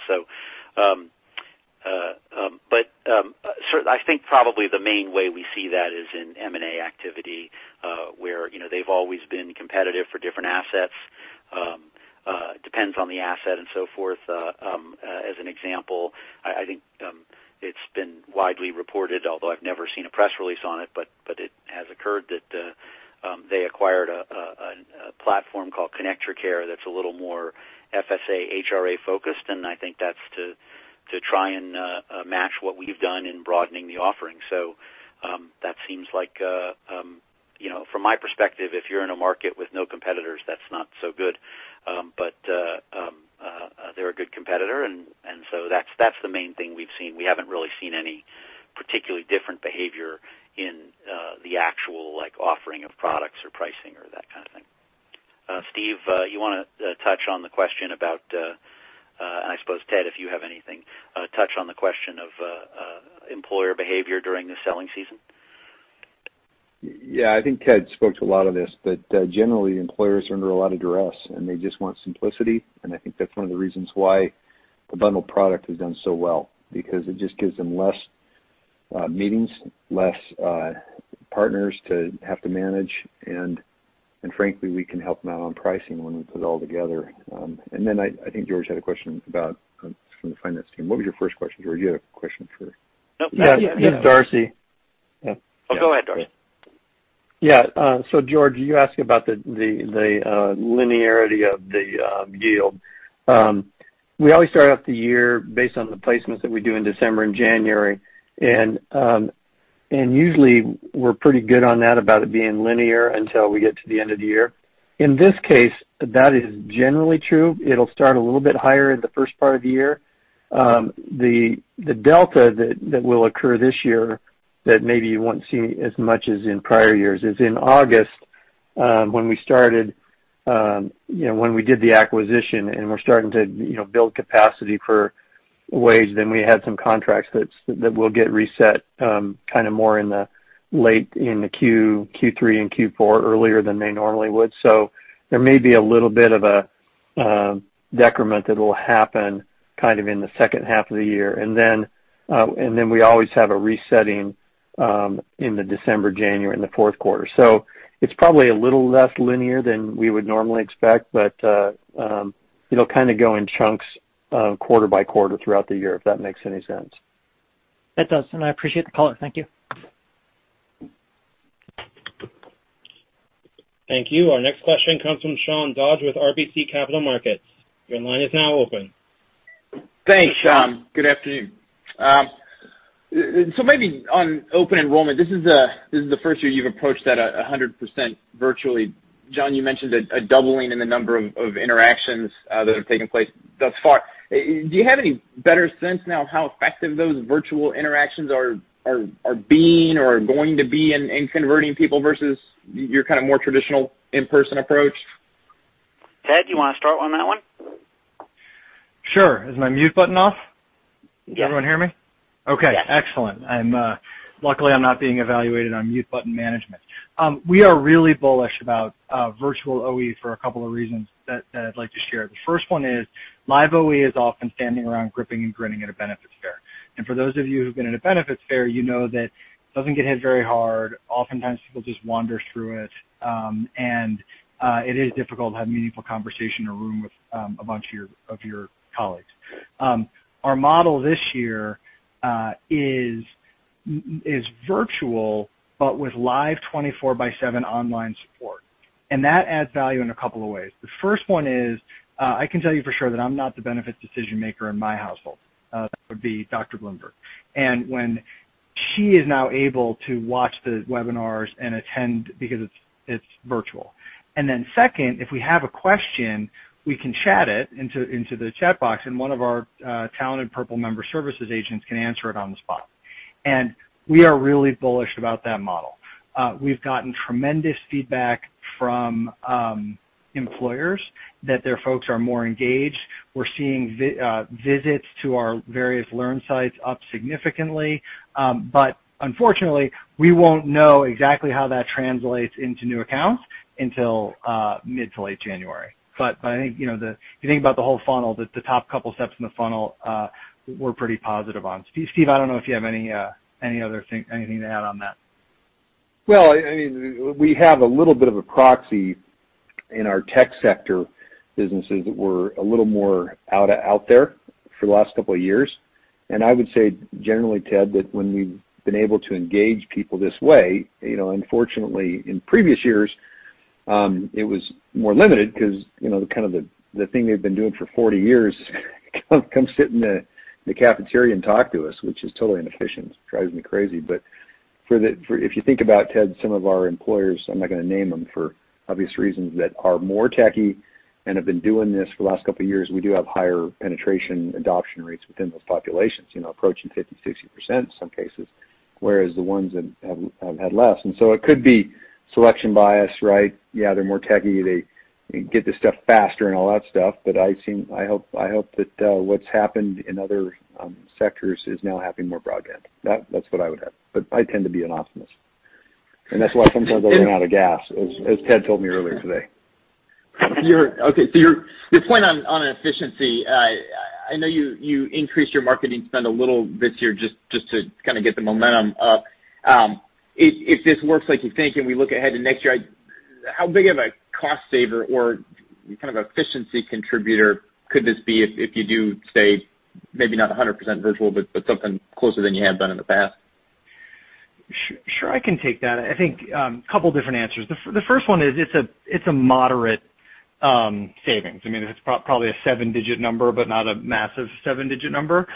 I think probably the main way we see that is in M&A activity, where they've always been competitive for different assets. Depends on the asset and so forth. As an example, I think it's been widely reported, although I've never seen a press release on it, but it has occurred that they acquired a platform called ConnectYourCare that's a little more FSA, HRA-focused. I think that's to try and match what we've done in broadening the offering. That seems like, from my perspective, if you're in a market with no competitors, that's not so good. They're a good competitor that's the main thing we've seen. We haven't really seen any particularly different behavior in the actual offering of products or pricing or that kind of thing. Steve, you want to touch on the question about, I suppose, Ted, if you have anything, touch on the question of employer behavior during the selling season? Yeah. I think Ted spoke to a lot of this, but generally, employers are under a lot of duress, and they just want simplicity, and I think that's one of the reasons why the bundled product has done so well, because it just gives them less meetings, less partners to have to manage, and frankly, we can help them out on pricing when we put it all together. I think George had a question about, from the finance team. What was your first question, George? You had a question for- Nope. Yeah. It was Darcy. Yeah. Oh, go ahead, Darcy. Yeah. George, you asked about the linearity of the yield. We always start off the year based on the placements that we do in December and January, and usually, we're pretty good on that about it being linear until we get to the end of the year. In this case, that is generally true. It'll start a little bit higher in the first part of the year. The delta that will occur this year that maybe you won't see as much as in prior years is in August, when we did the acquisition, and we're starting to build capacity for WageWorks, then we had some contracts that will get reset kind of more in the late Q3 and Q4, earlier than they normally would. There may be a little bit of a decrement that'll happen kind of in the second half of the year. We always have a resetting in the December, January, in the fourth quarter. It's probably a little less linear than we would normally expect, but it'll kind of go in chunks quarter by quarter throughout the year, if that makes any sense. That does. I appreciate the color. Thank you. Thank you. Our next question comes from Sean Dodge with RBC Capital Markets. Your line is now open. Thanks, Sean. Good afternoon. Maybe on open enrollment, this is the first year you've approached that 100% virtually. Jon, you mentioned a doubling in the number of interactions that have taken place thus far. Do you have any better sense now of how effective those virtual interactions are being or are going to be in converting people versus your kind of more traditional in-person approach? Ted, do you want to start on that one? Sure. Is my mute button off? Yes. Can everyone hear me? Yes. Okay. Excellent. Luckily, I'm not being evaluated on mute button management. We are really bullish about virtual OE for a couple of reasons that I'd like to share. The first one is live OE is often standing around gripping and grinning at a benefits fair. For those of you who've been at a benefits fair, you know that it doesn't get hit very hard. Oftentimes, people just wander through it. It is difficult to have a meaningful conversation in a room with a bunch of your colleagues. Our model this year is virtual, but with live 24 by seven online support, that adds value in a couple of ways. The first one is, I can tell you for sure that I'm not the benefits decision-maker in my household. That would be Dr. Bloomberg. When she is now able to watch the webinars and attend because it's virtual. Second, if we have a question, we can chat it into the chat box, and one of our talented Purple member services agents can answer it on the spot. We are really bullish about that model. We've gotten tremendous feedback from employers that their folks are more engaged. We're seeing visits to our various learn sites up significantly. Unfortunately, we won't know exactly how that translates into new accounts until mid to late January. I think, if you think about the whole funnel, the top couple steps in the funnel, we're pretty positive on. Steve, I don't know if you have anything to add on that. Well, we have a little bit of a proxy in our tech sector businesses that were a little more out there for the last couple of years. I would say, generally, Ted, that when we've been able to engage people this way, unfortunately in previous years, it was more limited because the thing they've been doing for 40 years, come sit in the cafeteria and talk to us, which is totally inefficient, drives me crazy. If you think about, Ted, some of our employers, I'm not going to name them for obvious reasons, that are more techy and have been doing this for the last couple of years, we do have higher penetration adoption rates within those populations, approaching 50, 60% in some cases, whereas the ones that have had less. It could be selection bias, right? Yeah, they're more techy. They get this stuff faster and all that stuff. I hope that what's happened in other sectors is now happening more broadband. That's what I would have. I tend to be an optimist, and that's why sometimes I run out of gas, as Ted told me earlier today. Okay. Your point on efficiency, I know you increased your marketing spend a little this year just to kind of get the momentum up. If this works like you think, we look ahead to next year, how big of a cost saver or efficiency contributor could this be if you do stay, maybe not 100% virtual, but something closer than you have done in the past? Sure, I can take that. I think, couple different answers. The first one is it's a moderate savings. It's probably a seven-digit number, but not a massive seven-digit number.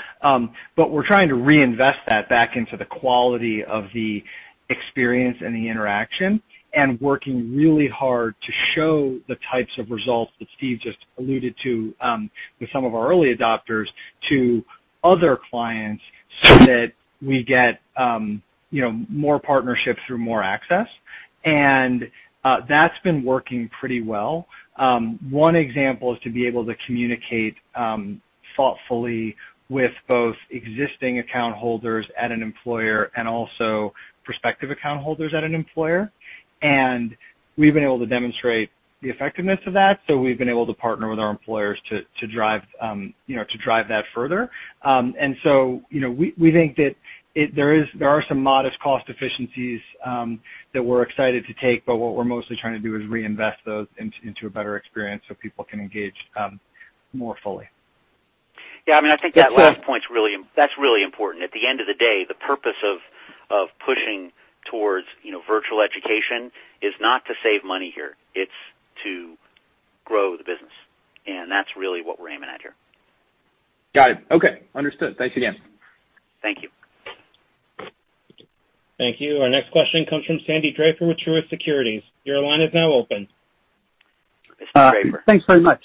We're trying to reinvest that back into the quality of the experience and the interaction, working really hard to show the types of results that Steve just alluded to with some of our early adopters to other clients so that we get more partnerships through more access. That's been working pretty well. One example is to be able to communicate thoughtfully with both existing account holders at an employer and also prospective account holders at an employer. We've been able to demonstrate the effectiveness of that, so we've been able to partner with our employers to drive that further. We think that there are some modest cost efficiencies that we're excited to take, what we're mostly trying to do is reinvest those into a better experience so people can engage more fully. Yeah, I think that last point's really important. At the end of the day, the purpose of pushing towards virtual education is not to save money here, it's to grow the business. That's really what we're aiming at here. Got it. Okay. Understood. Thanks again. Thank you. Thank you. Our next question comes from Sandy Draper with Truist Securities. Your line is now open. Mr. Draper. Thanks very much.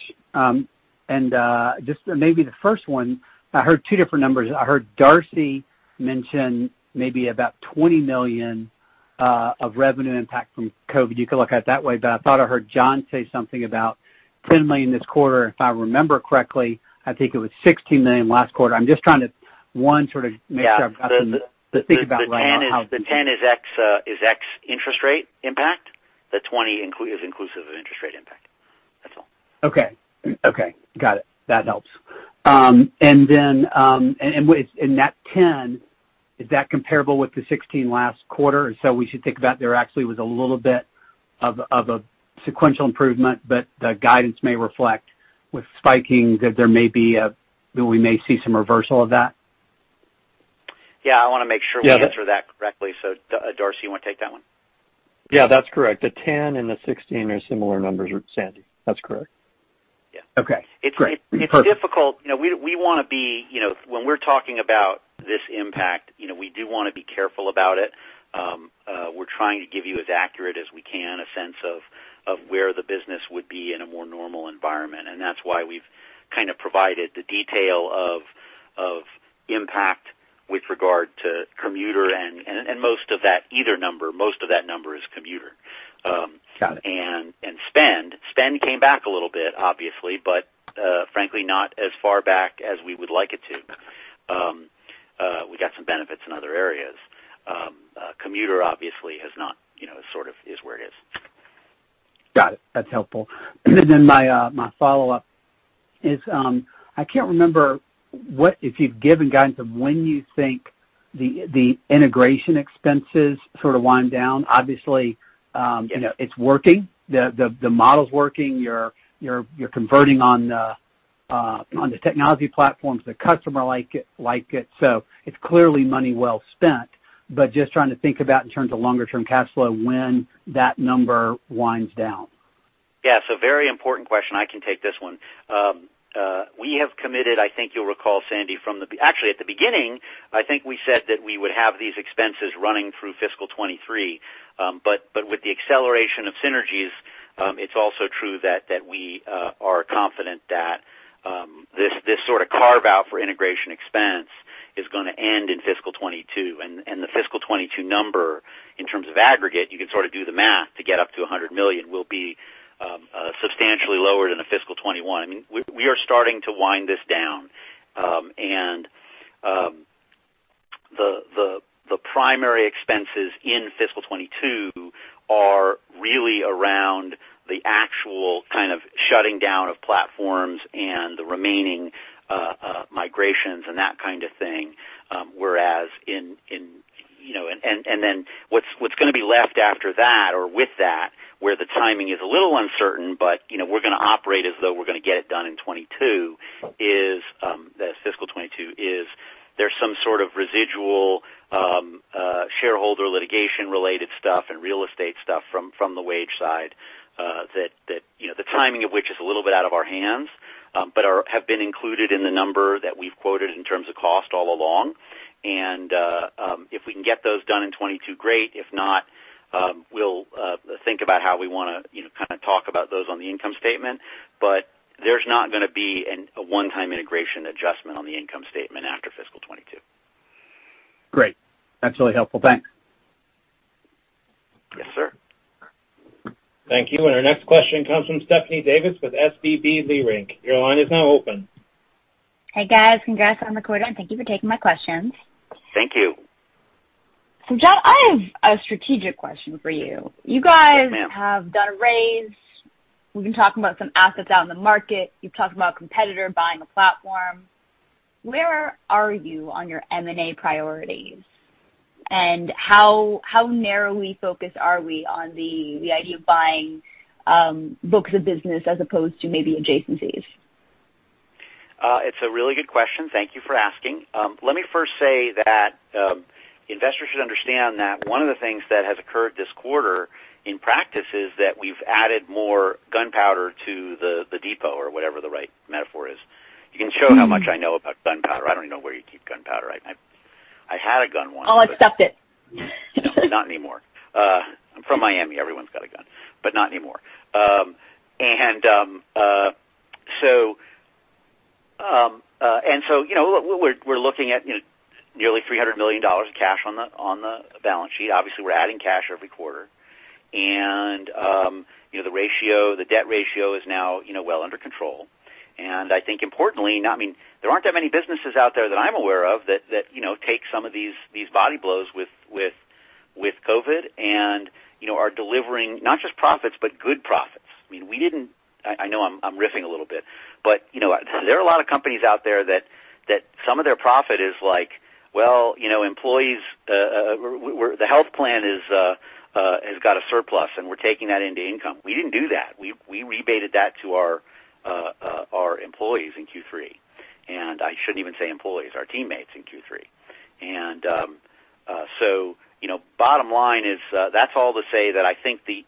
Just maybe the first one, I heard two different numbers. I heard Darcy mention maybe about $20 million of revenue impact from COVID-19. You could look at it that way, but I thought I heard Jon say something about $10 million this quarter, if I remember correctly. I think it was $16 million last quarter. I'm just trying to, one, sort of make sure I've got the- Yeah think about how- The 10 is ex-interest rate impact. The 20 is inclusive of interest rate impact. That's all. Okay. Got it. That helps. In that 10, is that comparable with the 16 last quarter? We should think about there actually was a little bit of a sequential improvement, but the guidance may reflect with spiking that we may see some reversal of that? Yeah, I want to make sure we answer that correctly. Darcy, you want to take that one? Yeah, that's correct. The 10 and the 16 are similar numbers, Sandy. That's correct. Yeah. Okay, great. Perfect. It's difficult. When we're talking about this impact, we do want to be careful about it. We're trying to give you, as accurate as we can, a sense of where the business would be in a more normal environment. That's why we've provided the detail of impact with regard to commuter, and either number, most of that number is commuter. Got it. Spend. Spend came back a little bit, obviously, but frankly, not as far back as we would like it to. We got some benefits in other areas. Commuter obviously is where it is. Got it. That's helpful. My follow-up is, I can't remember if you've given guidance of when you think the integration expenses wind down. Yeah It's working. The model's working. You're converting on the technology platforms. The customer like it. It's clearly money well spent, but just trying to think about in terms of longer-term cash flow, when that number winds down. Yes. Very important question. I can take this one. We have committed, I think you will recall, Sandy, from the Actually, at the beginning, I think we said that we would have these expenses running through fiscal 2023. With the acceleration of synergies, it is also true that we are confident that this sort of carve-out for integration expense is going to end in fiscal 2022. The fiscal 2022 number, in terms of aggregate, you can sort of do the math to get up to $100 million, will be substantially lower than the fiscal 2021. We are starting to wind this down. The primary expenses in fiscal 2022 are really around the actual shutting down of platforms and the remaining migrations and that kind of thing. What is going to be left after that or with that, where the timing is a little uncertain, but we are going to operate as though we are going to get it done in 2022, the fiscal 2022, is there is some sort of residual shareholder litigation related stuff and real estate stuff from the WageWorks side, the timing of which is a little bit out of our hands. Have been included in the number that we have quoted in terms of cost all along. If we can get those done in 2022, great. If not, we will think about how we want to talk about those on the income statement. There is not going to be a one-time integration adjustment on the income statement after fiscal 2022. Great. That is really helpful. Thanks. Yes, sir. Thank you. Our next question comes from Stephanie Davis with SVB Leerink. Your line is now open. Hey, guys. Congrats on the quarter, and thank you for taking my questions. Thank you. Jon, I have a strategic question for you. Yes, ma'am. You guys have done a raise. We've been talking about some assets out in the market. You've talked about a competitor buying a platform. Where are you on your M&A priorities, and how narrowly focused are we on the idea of buying books of business as opposed to maybe adjacencies? It's a really good question. Thank you for asking. Let me first say that investors should understand that one of the things that has occurred this quarter in practice is that we've added more gunpowder to the depot or whatever the right metaphor is. You can show how much I know about gunpowder. I don't even know where you keep gunpowder. I had a gun once. Oh, I've stopped it. Not anymore. I'm from Miami. Everyone's got a gun, but not anymore. We're looking at nearly $300 million of cash on the balance sheet. Obviously, we're adding cash every quarter. The debt ratio is now well under control. I think importantly, there aren't that many businesses out there that I'm aware of that take some of these body blows with COVID and are delivering not just profits, but good profits. I know I'm riffing a little bit, but there are a lot of companies out there that some of their profit is like, "Well, the health plan has got a surplus, and we're taking that into income." We didn't do that. We rebated that to our employees in Q3. I shouldn't even say employees, our teammates in Q3. Bottom line is, that's all to say that I think the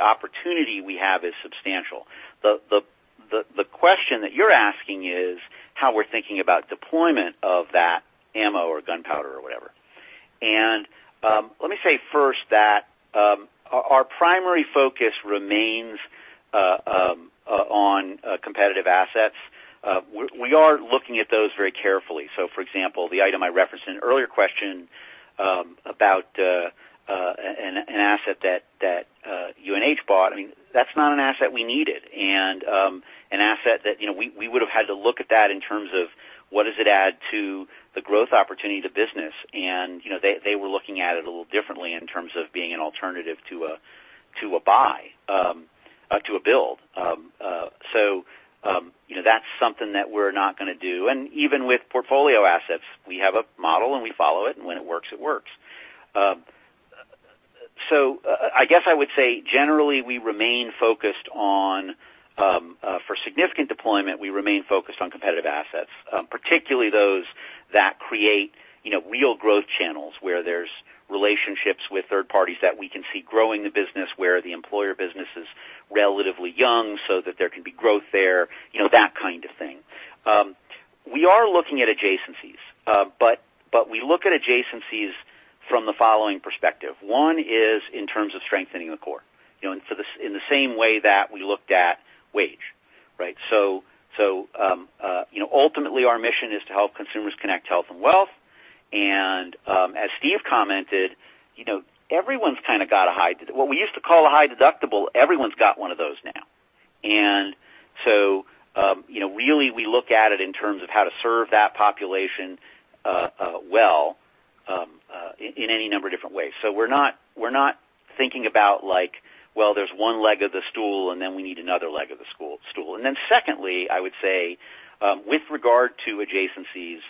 opportunity we have is substantial. The question that you're asking is how we're thinking about deployment of that ammo or gunpowder or whatever. Let me say first that our primary focus remains on competitive assets. We are looking at those very carefully. For example, the item I referenced in an earlier question about an asset that UNH bought, that's not an asset we needed, and an asset that we would've had to look at that in terms of what does it add to the growth opportunity to business, and they were looking at it a little differently in terms of being an alternative to a build. That's something that we're not going to do. Even with portfolio assets, we have a model, and we follow it, and when it works, it works. I guess I would say, generally, for significant deployment, we remain focused on competitive assets, particularly those that create real growth channels where there's relationships with third parties that we can see growing the business, where the employer business is relatively young so that there can be growth there, that kind of thing. We are looking at adjacencies, but we look at adjacencies from the following perspective. One is in terms of strengthening the core in the same way that we looked at Wage, right? Ultimately, our mission is to help consumers connect health and wealth, and as Steve commented, what we used to call a high deductible, everyone's got one of those now. Really, we look at it in terms of how to serve that population well, in any number of different ways. We're not thinking about like, well, there's one leg of the stool, and then we need another leg of the stool. Secondly, I would say, with regard to adjacencies,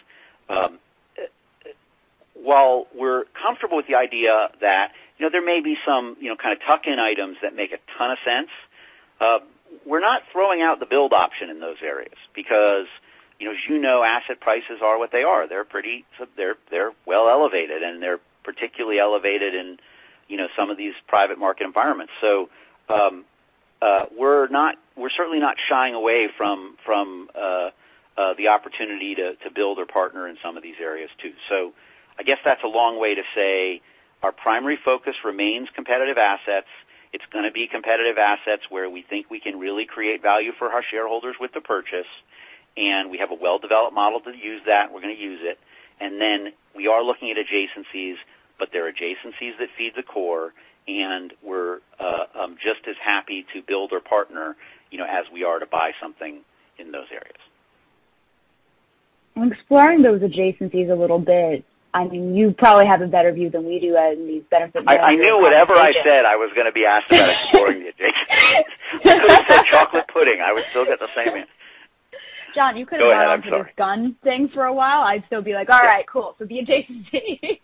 while we're comfortable with the idea that there may be some kind of tuck-in items that make a ton of sense, we're not throwing out the build option in those areas because as you know, asset prices are what they are. They're well elevated, and they're particularly elevated in some of these private market environments. We're certainly not shying away from the opportunity to build or partner in some of these areas, too. I guess that's a long way to say our primary focus remains competitive assets. It's going to be competitive assets where we think we can really create value for our shareholders with the purchase, and we have a well-developed model to use that. We're going to use it. Then we are looking at adjacencies, but they're adjacencies that feed the core, and we're just as happy to build or partner as we are to buy something in those areas. In exploring those adjacencies a little bit, you probably have a better view than we do in these benefit management applications. I knew whatever I said I was going to be asked about exploring the adjacencies. If I said chocolate pudding, I would still get the same answer. Jon, you could have gone. Go ahead. I'm sorry with this gun thing for a while, I'd still be like, "All right, cool. The adjacencies."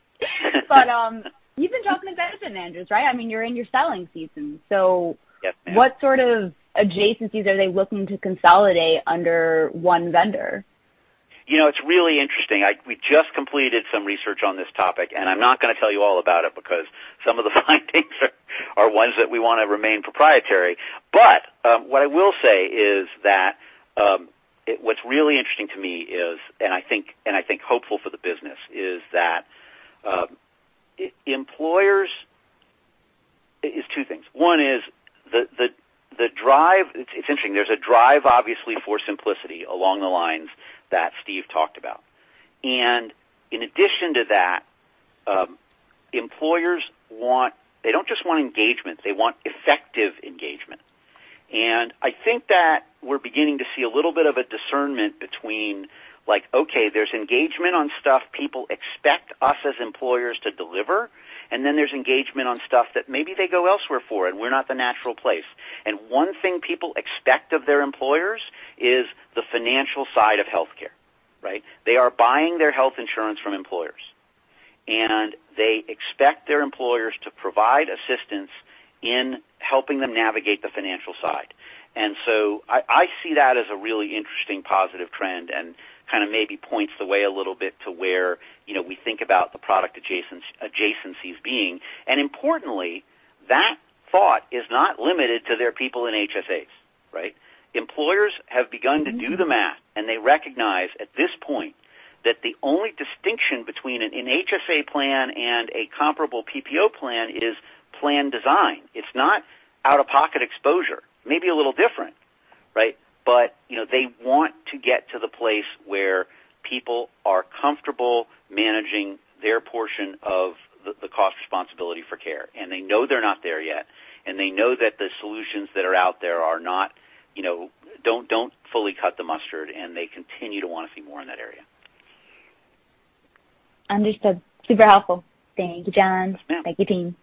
You've been talking to benefit managers, right? You're in your selling season. Yes, ma'am what sort of adjacencies are they looking to consolidate under one vendor? It's really interesting. We just completed some research on this topic, and I'm not going to tell you all about it because some of the findings are ones that we want to remain proprietary. What I will say is that what's really interesting to me is, and I think hopeful for the business, is two things. One is the drive. It's interesting. There's a drive, obviously, for simplicity along the lines that Steve talked about. In addition to that, employers don't just want engagement, they want effective engagement. I think that we're beginning to see a little bit of a discernment between like, okay, there's engagement on stuff people expect us as employers to deliver, and then there's engagement on stuff that maybe they go elsewhere for, and we're not the natural place. One thing people expect of their employers is the financial side of healthcare, right? They are buying their health insurance from employers. They expect their employers to provide assistance in helping them navigate the financial side. I see that as a really interesting positive trend and kind of maybe points the way a little bit to where we think about the product adjacencies being. Importantly, that thought is not limited to their people in HSAs, right? Employers have begun to do the math, and they recognize at this point that the only distinction between an HSA plan and a comparable PPO plan is plan design. It's not out-of-pocket exposure. Maybe a little different, right? They want to get to the place where people are comfortable managing their portion of the cost responsibility for care. They know they're not there yet, and they know that the solutions that are out there don't fully cut the mustard, and they continue to want to see more in that area. Understood. Super helpful. Thank you, Jon. Yeah. Thank you, team.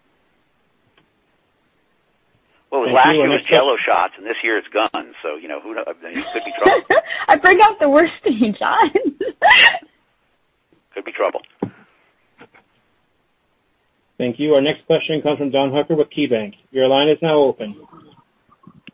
Well, last year was jello shots, and this year it's guns, so who knows? Could be trouble. I bring out the worst in you, Jon. Could be trouble. Thank you. Our next question comes from Don Hooker with KeyBank. Your line is now open.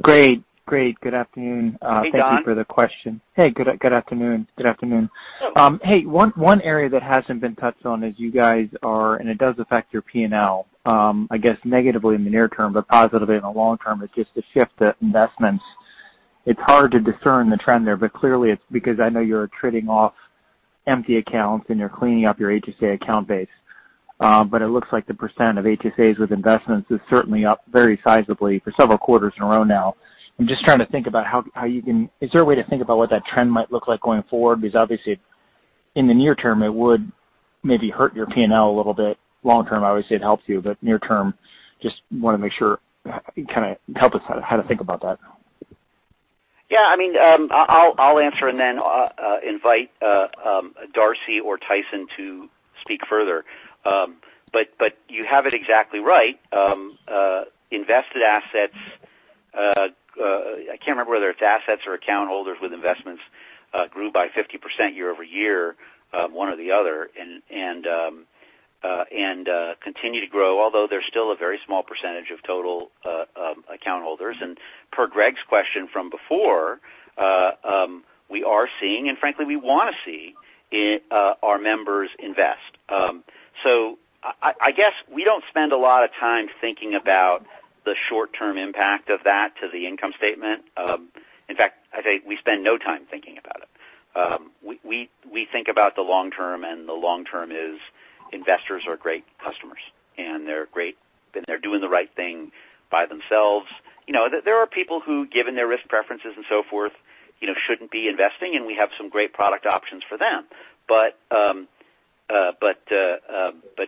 Great. Good afternoon. Hey, Don. Thank you for the question. Hey, good afternoon. Good afternoon. Sure. One area that hasn't been touched on is you guys are, and it does affect your P&L, I guess, negatively in the near term, positively in the long term, is just the shift to investments. It's hard to discern the trend there, clearly it's because I know you're trading off empty accounts, and you're cleaning up your HSA account base. It looks like the % of HSAs with investments is certainly up very sizably for several quarters in a row now. Is there a way to think about what that trend might look like going forward? Obviously, in the near term, it would maybe hurt your P&L a little bit. Long term, obviously, it helps you, near term, just want to make sure, help us how to think about that. I'll answer and then invite Darcy or Tyson to speak further. You have it exactly right. Invested assets, I can't remember whether it's assets or account holders with investments, grew by 50% year-over-year, one or the other, and continue to grow, although they're still a very small % of total account holders. Per Greg's question from before, we are seeing, and frankly, we want to see our members invest. I guess we don't spend a lot of time thinking about the short-term impact of that to the income statement. In fact, I'd say we spend no time thinking about it. We think about the long term, the long term is investors are great customers, and they're great, and they're doing the right thing by themselves. There are people who, given their risk preferences and so forth, shouldn't be investing, and we have some great product options for them.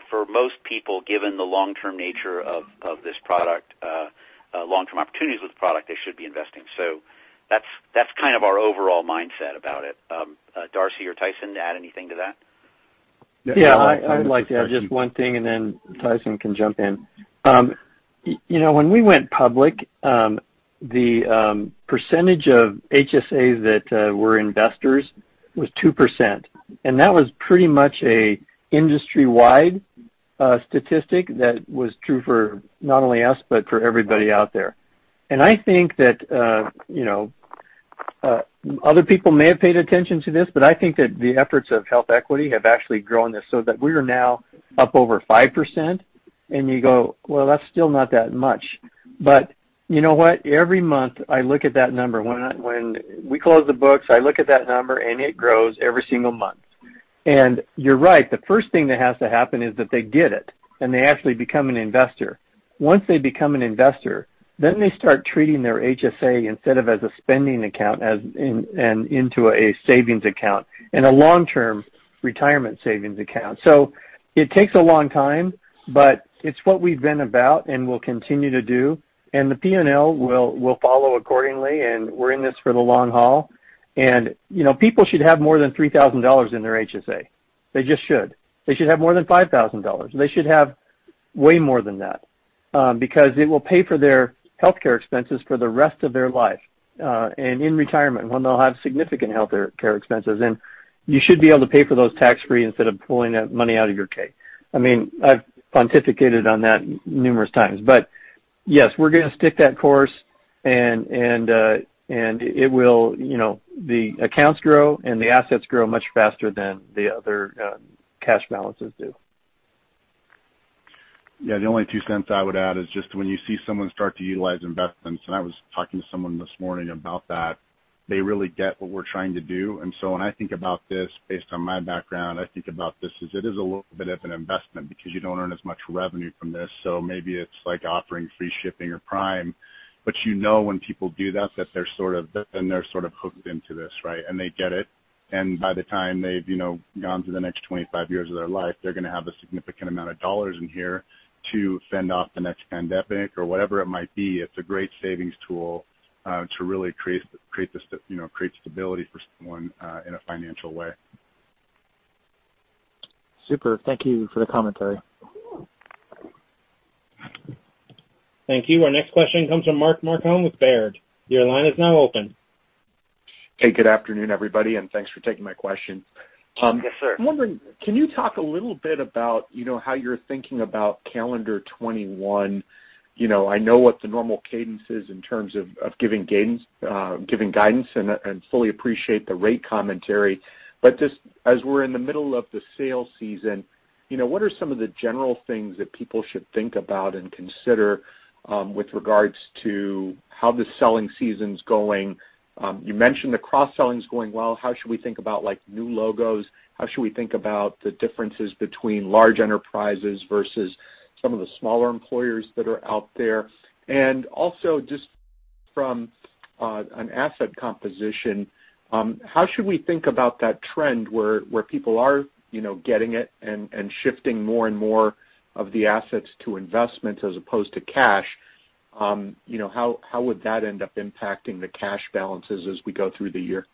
For most people, given the long-term nature of this product, long-term opportunities with the product, they should be investing. That's our overall mindset about it. Darcy or Tyson, add anything to that? I would like to add just one thing, then Tyson can jump in. When we went public, the % of HSAs that were investors was 2%, and that was pretty much an industry-wide statistic that was true for not only us but for everybody out there. I think that other people may have paid attention to this, I think that the efforts of HealthEquity have actually grown this so that we are now up over 5%. You go, "Well, that's still not that much." You know what? Every month I look at that number. When we close the books, I look at that number, and it grows every single month. You're right, the first thing that has to happen is that they get it, and they actually become an investor. Once they become an investor, then they start treating their HSA instead of as a spending account and into a savings account and a long-term retirement savings account. It takes a long time, but it's what we've been about and will continue to do, and the P&L will follow accordingly, and we're in this for the long haul. People should have more than $3,000 in their HSA. They just should. They should have more than $5,000. They should have way more than that, because it will pay for their healthcare expenses for the rest of their life, and in retirement when they'll have significant healthcare expenses. You should be able to pay for those tax-free instead of pulling that money out of your 401(k). I've pontificated on that numerous times. Yes, we're going to stick that course, and the accounts grow, and the assets grow much faster than the other cash balances do. Yeah. The only two cents I would add is just when you see someone start to utilize investments, I was talking to someone this morning about that, they really get what we're trying to do. When I think about this based on my background, I think about this as it is a little bit of an investment because you don't earn as much revenue from this. Maybe it's like offering free shipping or Prime, you know when people do that, then they're sort of hooked into this, right? They get it, and by the time they've gone through the next 25 years of their life, they're going to have a significant amount of dollars in here to fend off the next pandemic or whatever it might be. It's a great savings tool to really create stability for someone in a financial way. Super. Thank you for the commentary. Thank you. Our next question comes from Mark Marcon with Baird. Your line is now open. Hey, good afternoon, everybody, and thanks for taking my question. Yes, sir. I'm wondering, can you talk a little bit about how you're thinking about calendar 2021? I know what the normal cadence is in terms of giving guidance, and fully appreciate the rate commentary, but just as we're in the middle of the sales season, what are some of the general things that people should think about and consider with regards to how the selling season's going? You mentioned the cross-selling is going well. How should we think about new logos? How should we think about the differences between large enterprises versus some of the smaller employers that are out there? Also, just from an asset composition, how should we think about that trend where people are getting it and shifting more and more of the assets to investments as opposed to cash? How would that end up impacting the cash balances as we go through the year?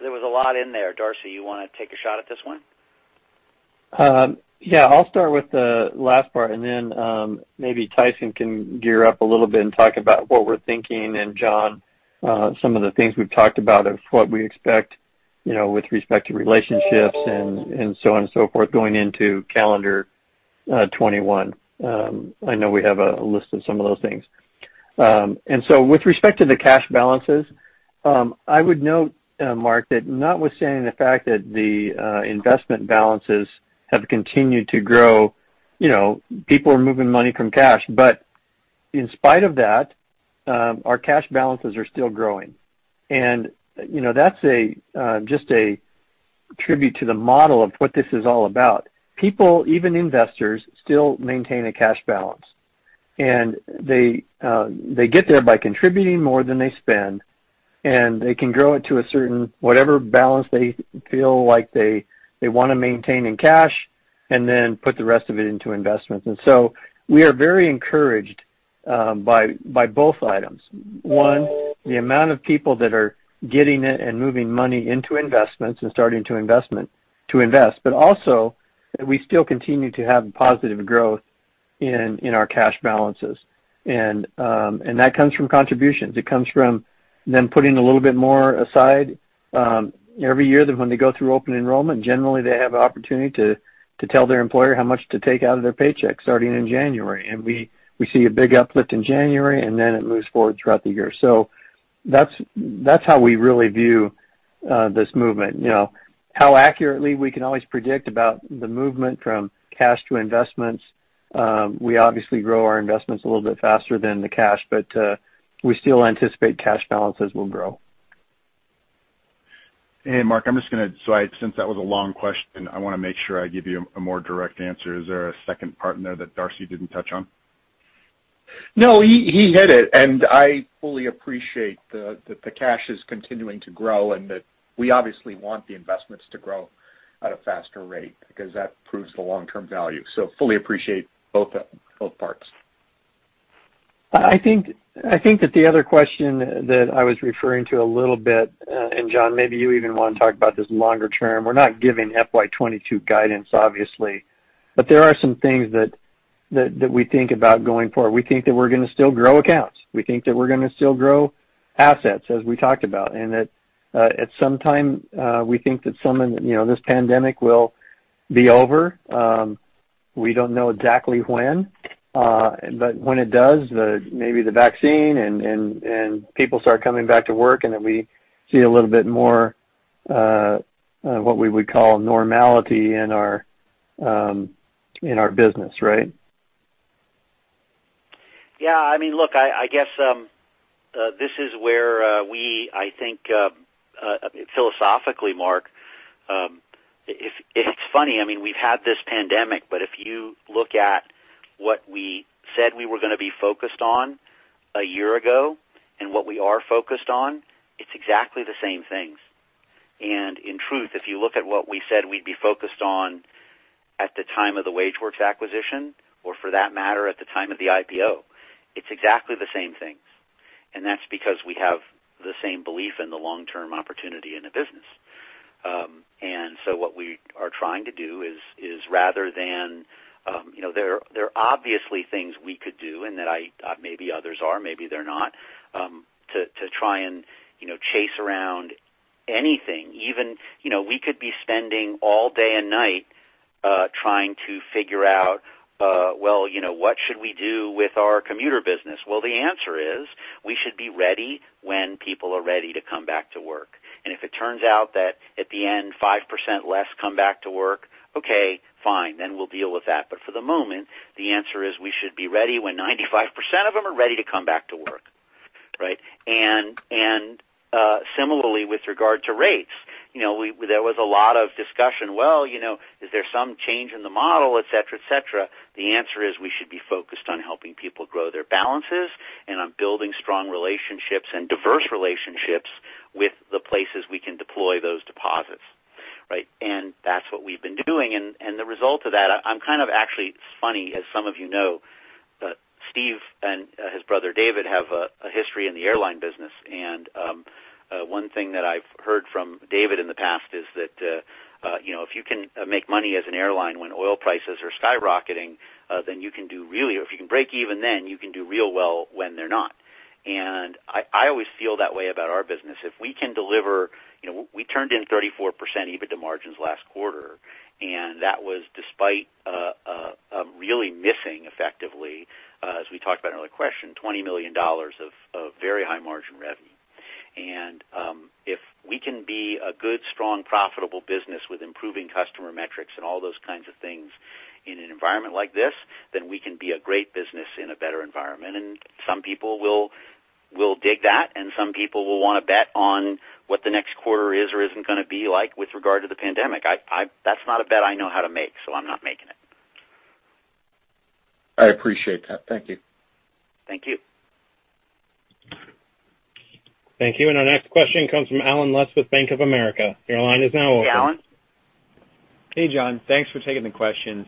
There was a lot in there. Darcy, you want to take a shot at this one? Yeah, I'll start with the last part and then maybe Tyson can gear up a little bit and talk about what we're thinking, and Jon, some of the things we've talked about of what we expect with respect to relationships and so on and so forth going into calendar 2021. I know we have a list of some of those things. With respect to the cash balances, I would note, Mark, that notwithstanding the fact that the investment balances have continued to grow, people are moving money from cash. In spite of that, our cash balances are still growing. That's just a tribute to the model of what this is all about. People, even investors, still maintain a cash balance, and they get there by contributing more than they spend, and they can grow it to a certain whatever balance they feel like they want to maintain in cash and then put the rest of it into investments. We are very encouraged by both items. One, the amount of people that are getting it and moving money into investments and starting to invest, but also that we still continue to have positive growth in our cash balances. That comes from contributions. It comes from them putting a little bit more aside every year that when they go through open enrollment, generally they have an opportunity to tell their employer how much to take out of their paycheck starting in January. We see a big uplift in January, and then it moves forward throughout the year. That's how we really view this movement. How accurately we can always predict about the movement from cash to investments. We obviously grow our investments a little bit faster than the cash, but we still anticipate cash balances will grow. Hey, Mark, since that was a long question, I want to make sure I give you a more direct answer. Is there a second part in there that Darcy didn't touch on? No, he hit it, and I fully appreciate that the cash is continuing to grow and that we obviously want the investments to grow at a faster rate because that proves the long-term value. Fully appreciate both parts. I think that the other question that I was referring to a little bit, and Jon, maybe you even want to talk about this longer term. We're not giving FY 2022 guidance, obviously, but there are some things that we think about going forward. We think that we're going to still grow accounts. We think that we're going to still grow assets, as we talked about, and that at some time, we think that this pandemic will be over. We don't know exactly when, but when it does, maybe the vaccine and people start coming back to work and then we see a little bit more what we would call normality in our business, right? Yeah. Look, I guess this is where we, I think philosophically, Mark, it's funny. We've had this pandemic, but if you look at what we said we were going to be focused on a year ago and what we are focused on, it's exactly the same things. In truth, if you look at what we said we'd be focused on at the time of the WageWorks acquisition, or for that matter, at the time of the IPO, it's exactly the same things. That's because we have the same belief in the long-term opportunity in the business. What we are trying to do is rather than There are obviously things we could do and that maybe others are, maybe they're not, to try and chase around anything. We could be spending all day and night trying to figure out, what should we do with our commuter business? The answer is we should be ready when people are ready to come back to work. If it turns out that at the end, 5% less come back to work, okay, fine, then we'll deal with that. For the moment, the answer is we should be ready when 95% of them are ready to come back to work. Right? Similarly, with regard to rates, there was a lot of discussion. Is there some change in the model, et cetera? The answer is we should be focused on helping people grow their balances and on building strong relationships and diverse relationships with the places we can deploy those deposits. Right? That's what we've been doing. The result of that, it's funny, as some of you know, Steve and his brother David have a history in the airline business. One thing that I've heard from David in the past is that if you can make money as an airline when oil prices are skyrocketing, or if you can break even then, you can do real well when they're not. I always feel that way about our business. We turned in 34% EBITDA margins last quarter, that was despite really missing effectively, as we talked about in earlier question, $20 million of very high margin revenue. If we can be a good, strong, profitable business with improving customer metrics and all those kinds of things in an environment like this, then we can be a great business in a better environment. Some people will dig that, and some people will want to bet on what the next quarter is or isn't going to be like with regard to the pandemic. That's not a bet I know how to make, so I'm not making it. I appreciate that. Thank you. Thank you. Thank you. Our next question comes from Allen Lutz with Bank of America. Your line is now open. Alan. Hey, Jon. Thanks for taking the questions.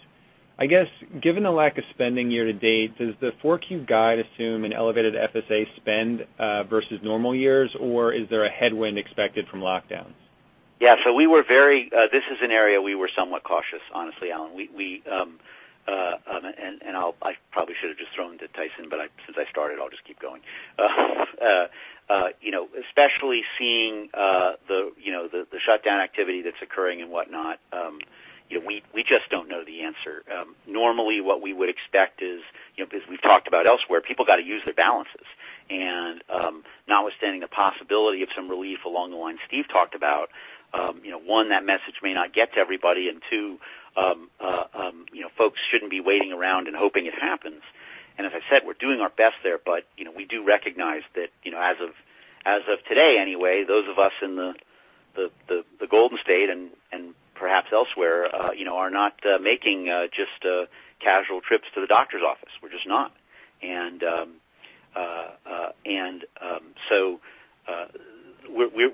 I guess, given the lack of spending year-to-date, does the 4Q guide assume an elevated FSA spend versus normal years, or is there a headwind expected from lockdowns? Yeah. This is an area we were somewhat cautious, honestly, Allen. I probably should have just thrown it to Tyson, but since I started, I'll just keep going. Especially seeing the shutdown activity that's occurring and whatnot, we just don't know the answer. Normally, what we would expect is, because we've talked about elsewhere, people got to use their balances. Notwithstanding the possibility of some relief along the lines Steve talked about, one, that message may not get to everybody, and two, folks shouldn't be waiting around and hoping it happens. As I said, we're doing our best there, but we do recognize that as of today anyway, those of us in the Golden State and perhaps elsewhere are not making just casual trips to the doctor's office. We're just not.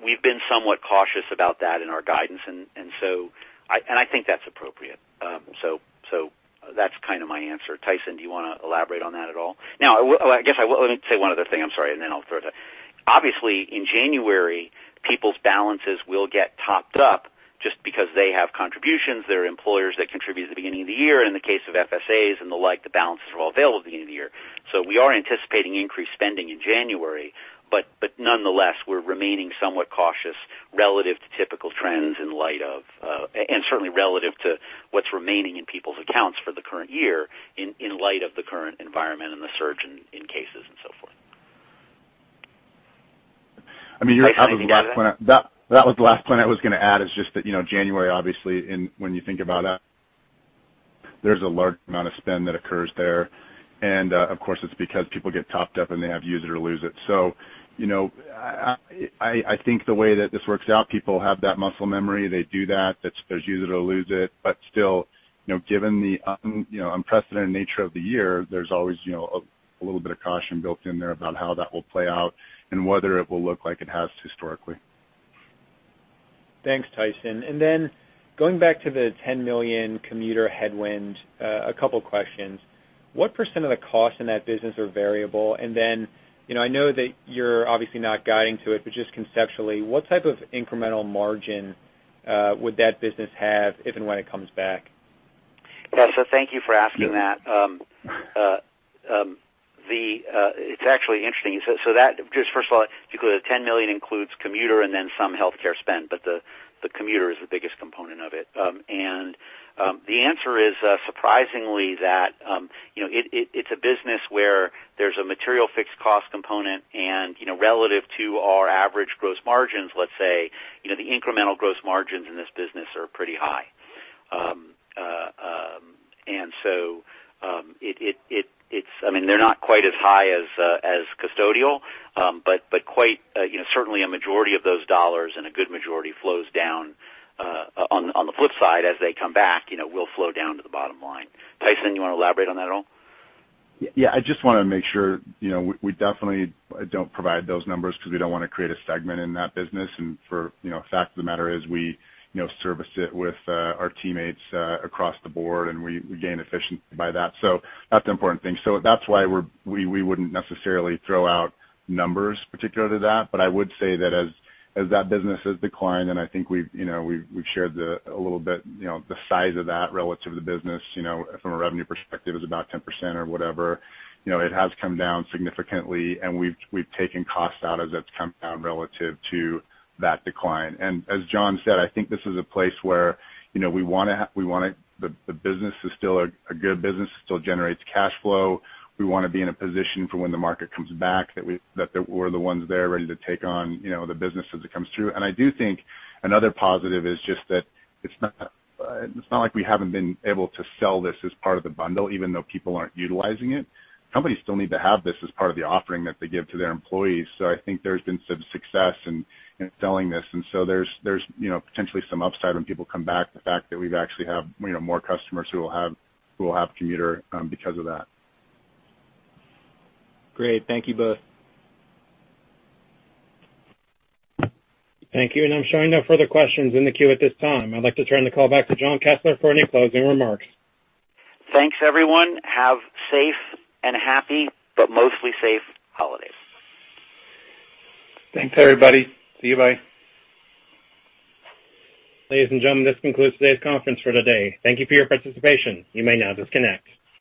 We've been somewhat cautious about that in our guidance, and I think that's appropriate. That's kind of my answer. Tyson, do you want to elaborate on that at all? Let me say one other thing, I'm sorry. Obviously, in January, people's balances will get topped up just because they have contributions, there are employers that contribute at the beginning of the year. In the case of FSAs and the like, the balances are all available at the beginning of the year. We are anticipating increased spending in January, but nonetheless, we're remaining somewhat cautious relative to typical trends and certainly relative to what's remaining in people's accounts for the current year in light of the current environment and the surge in cases and so forth. Tyson, anything to add to that? That was the last point I was going to add is just that January, obviously, when you think about it, there's a large amount of spend that occurs there. Of course, it's because people get topped up and they have use it or lose it. I think the way that this works out, people have that muscle memory. They do that. There's use it or lose it. Still, given the unprecedented nature of the year, there's always a little bit of caution built in there about how that will play out and whether it will look like it has historically. Thanks, Tyson. Going back to the $10 million commuter headwind, a couple questions. What % of the costs in that business are variable? I know that you're obviously not guiding to it, but just conceptually, what type of incremental margin would that business have if and when it comes back? Thank you for asking that. It's actually interesting. First of all, the $10 million includes commuter and then some healthcare spend, but the commuter is the biggest component of it. The answer is surprisingly that it's a business where there's a material fixed cost component and relative to our average gross margins, let's say, the incremental gross margins in this business are pretty high. They're not quite as high as custodial, but certainly a majority of those dollars and a good majority flows down on the flip side as they come back, will flow down to the bottom line. Tyson, you want to elaborate on that at all? Yeah. I just want to make sure. We definitely don't provide those numbers because we don't want to create a segment in that business. The fact of the matter is we service it with our teammates across the board, and we gain efficiency by that. That's the important thing. That's why we wouldn't necessarily throw out numbers particular to that. I would say that as that business has declined, and I think we've shared a little bit the size of that relative to the business from a revenue perspective is about 10% or whatever. It has come down significantly, and we've taken cost out as it's come down relative to that decline. As Jon said, I think this is a place where the business is still a good business, still generates cash flow. We want to be in a position for when the market comes back that we're the ones there ready to take on the business as it comes through. I do think another positive is just that it's not like we haven't been able to sell this as part of the bundle, even though people aren't utilizing it. Companies still need to have this as part of the offering that they give to their employees. I think there's been some success in selling this, and so there's potentially some upside when people come back. The fact that we actually have more customers who will have commuter because of that. Great. Thank you both. Thank you. I'm showing no further questions in the queue at this time. I'd like to turn the call back to Jon Kessler for any closing remarks. Thanks, everyone. Have safe and happy, but mostly safe holidays. Thanks, everybody. See you. Bye. Ladies and gentlemen, this concludes today's conference for today. Thank you for your participation. You may now disconnect.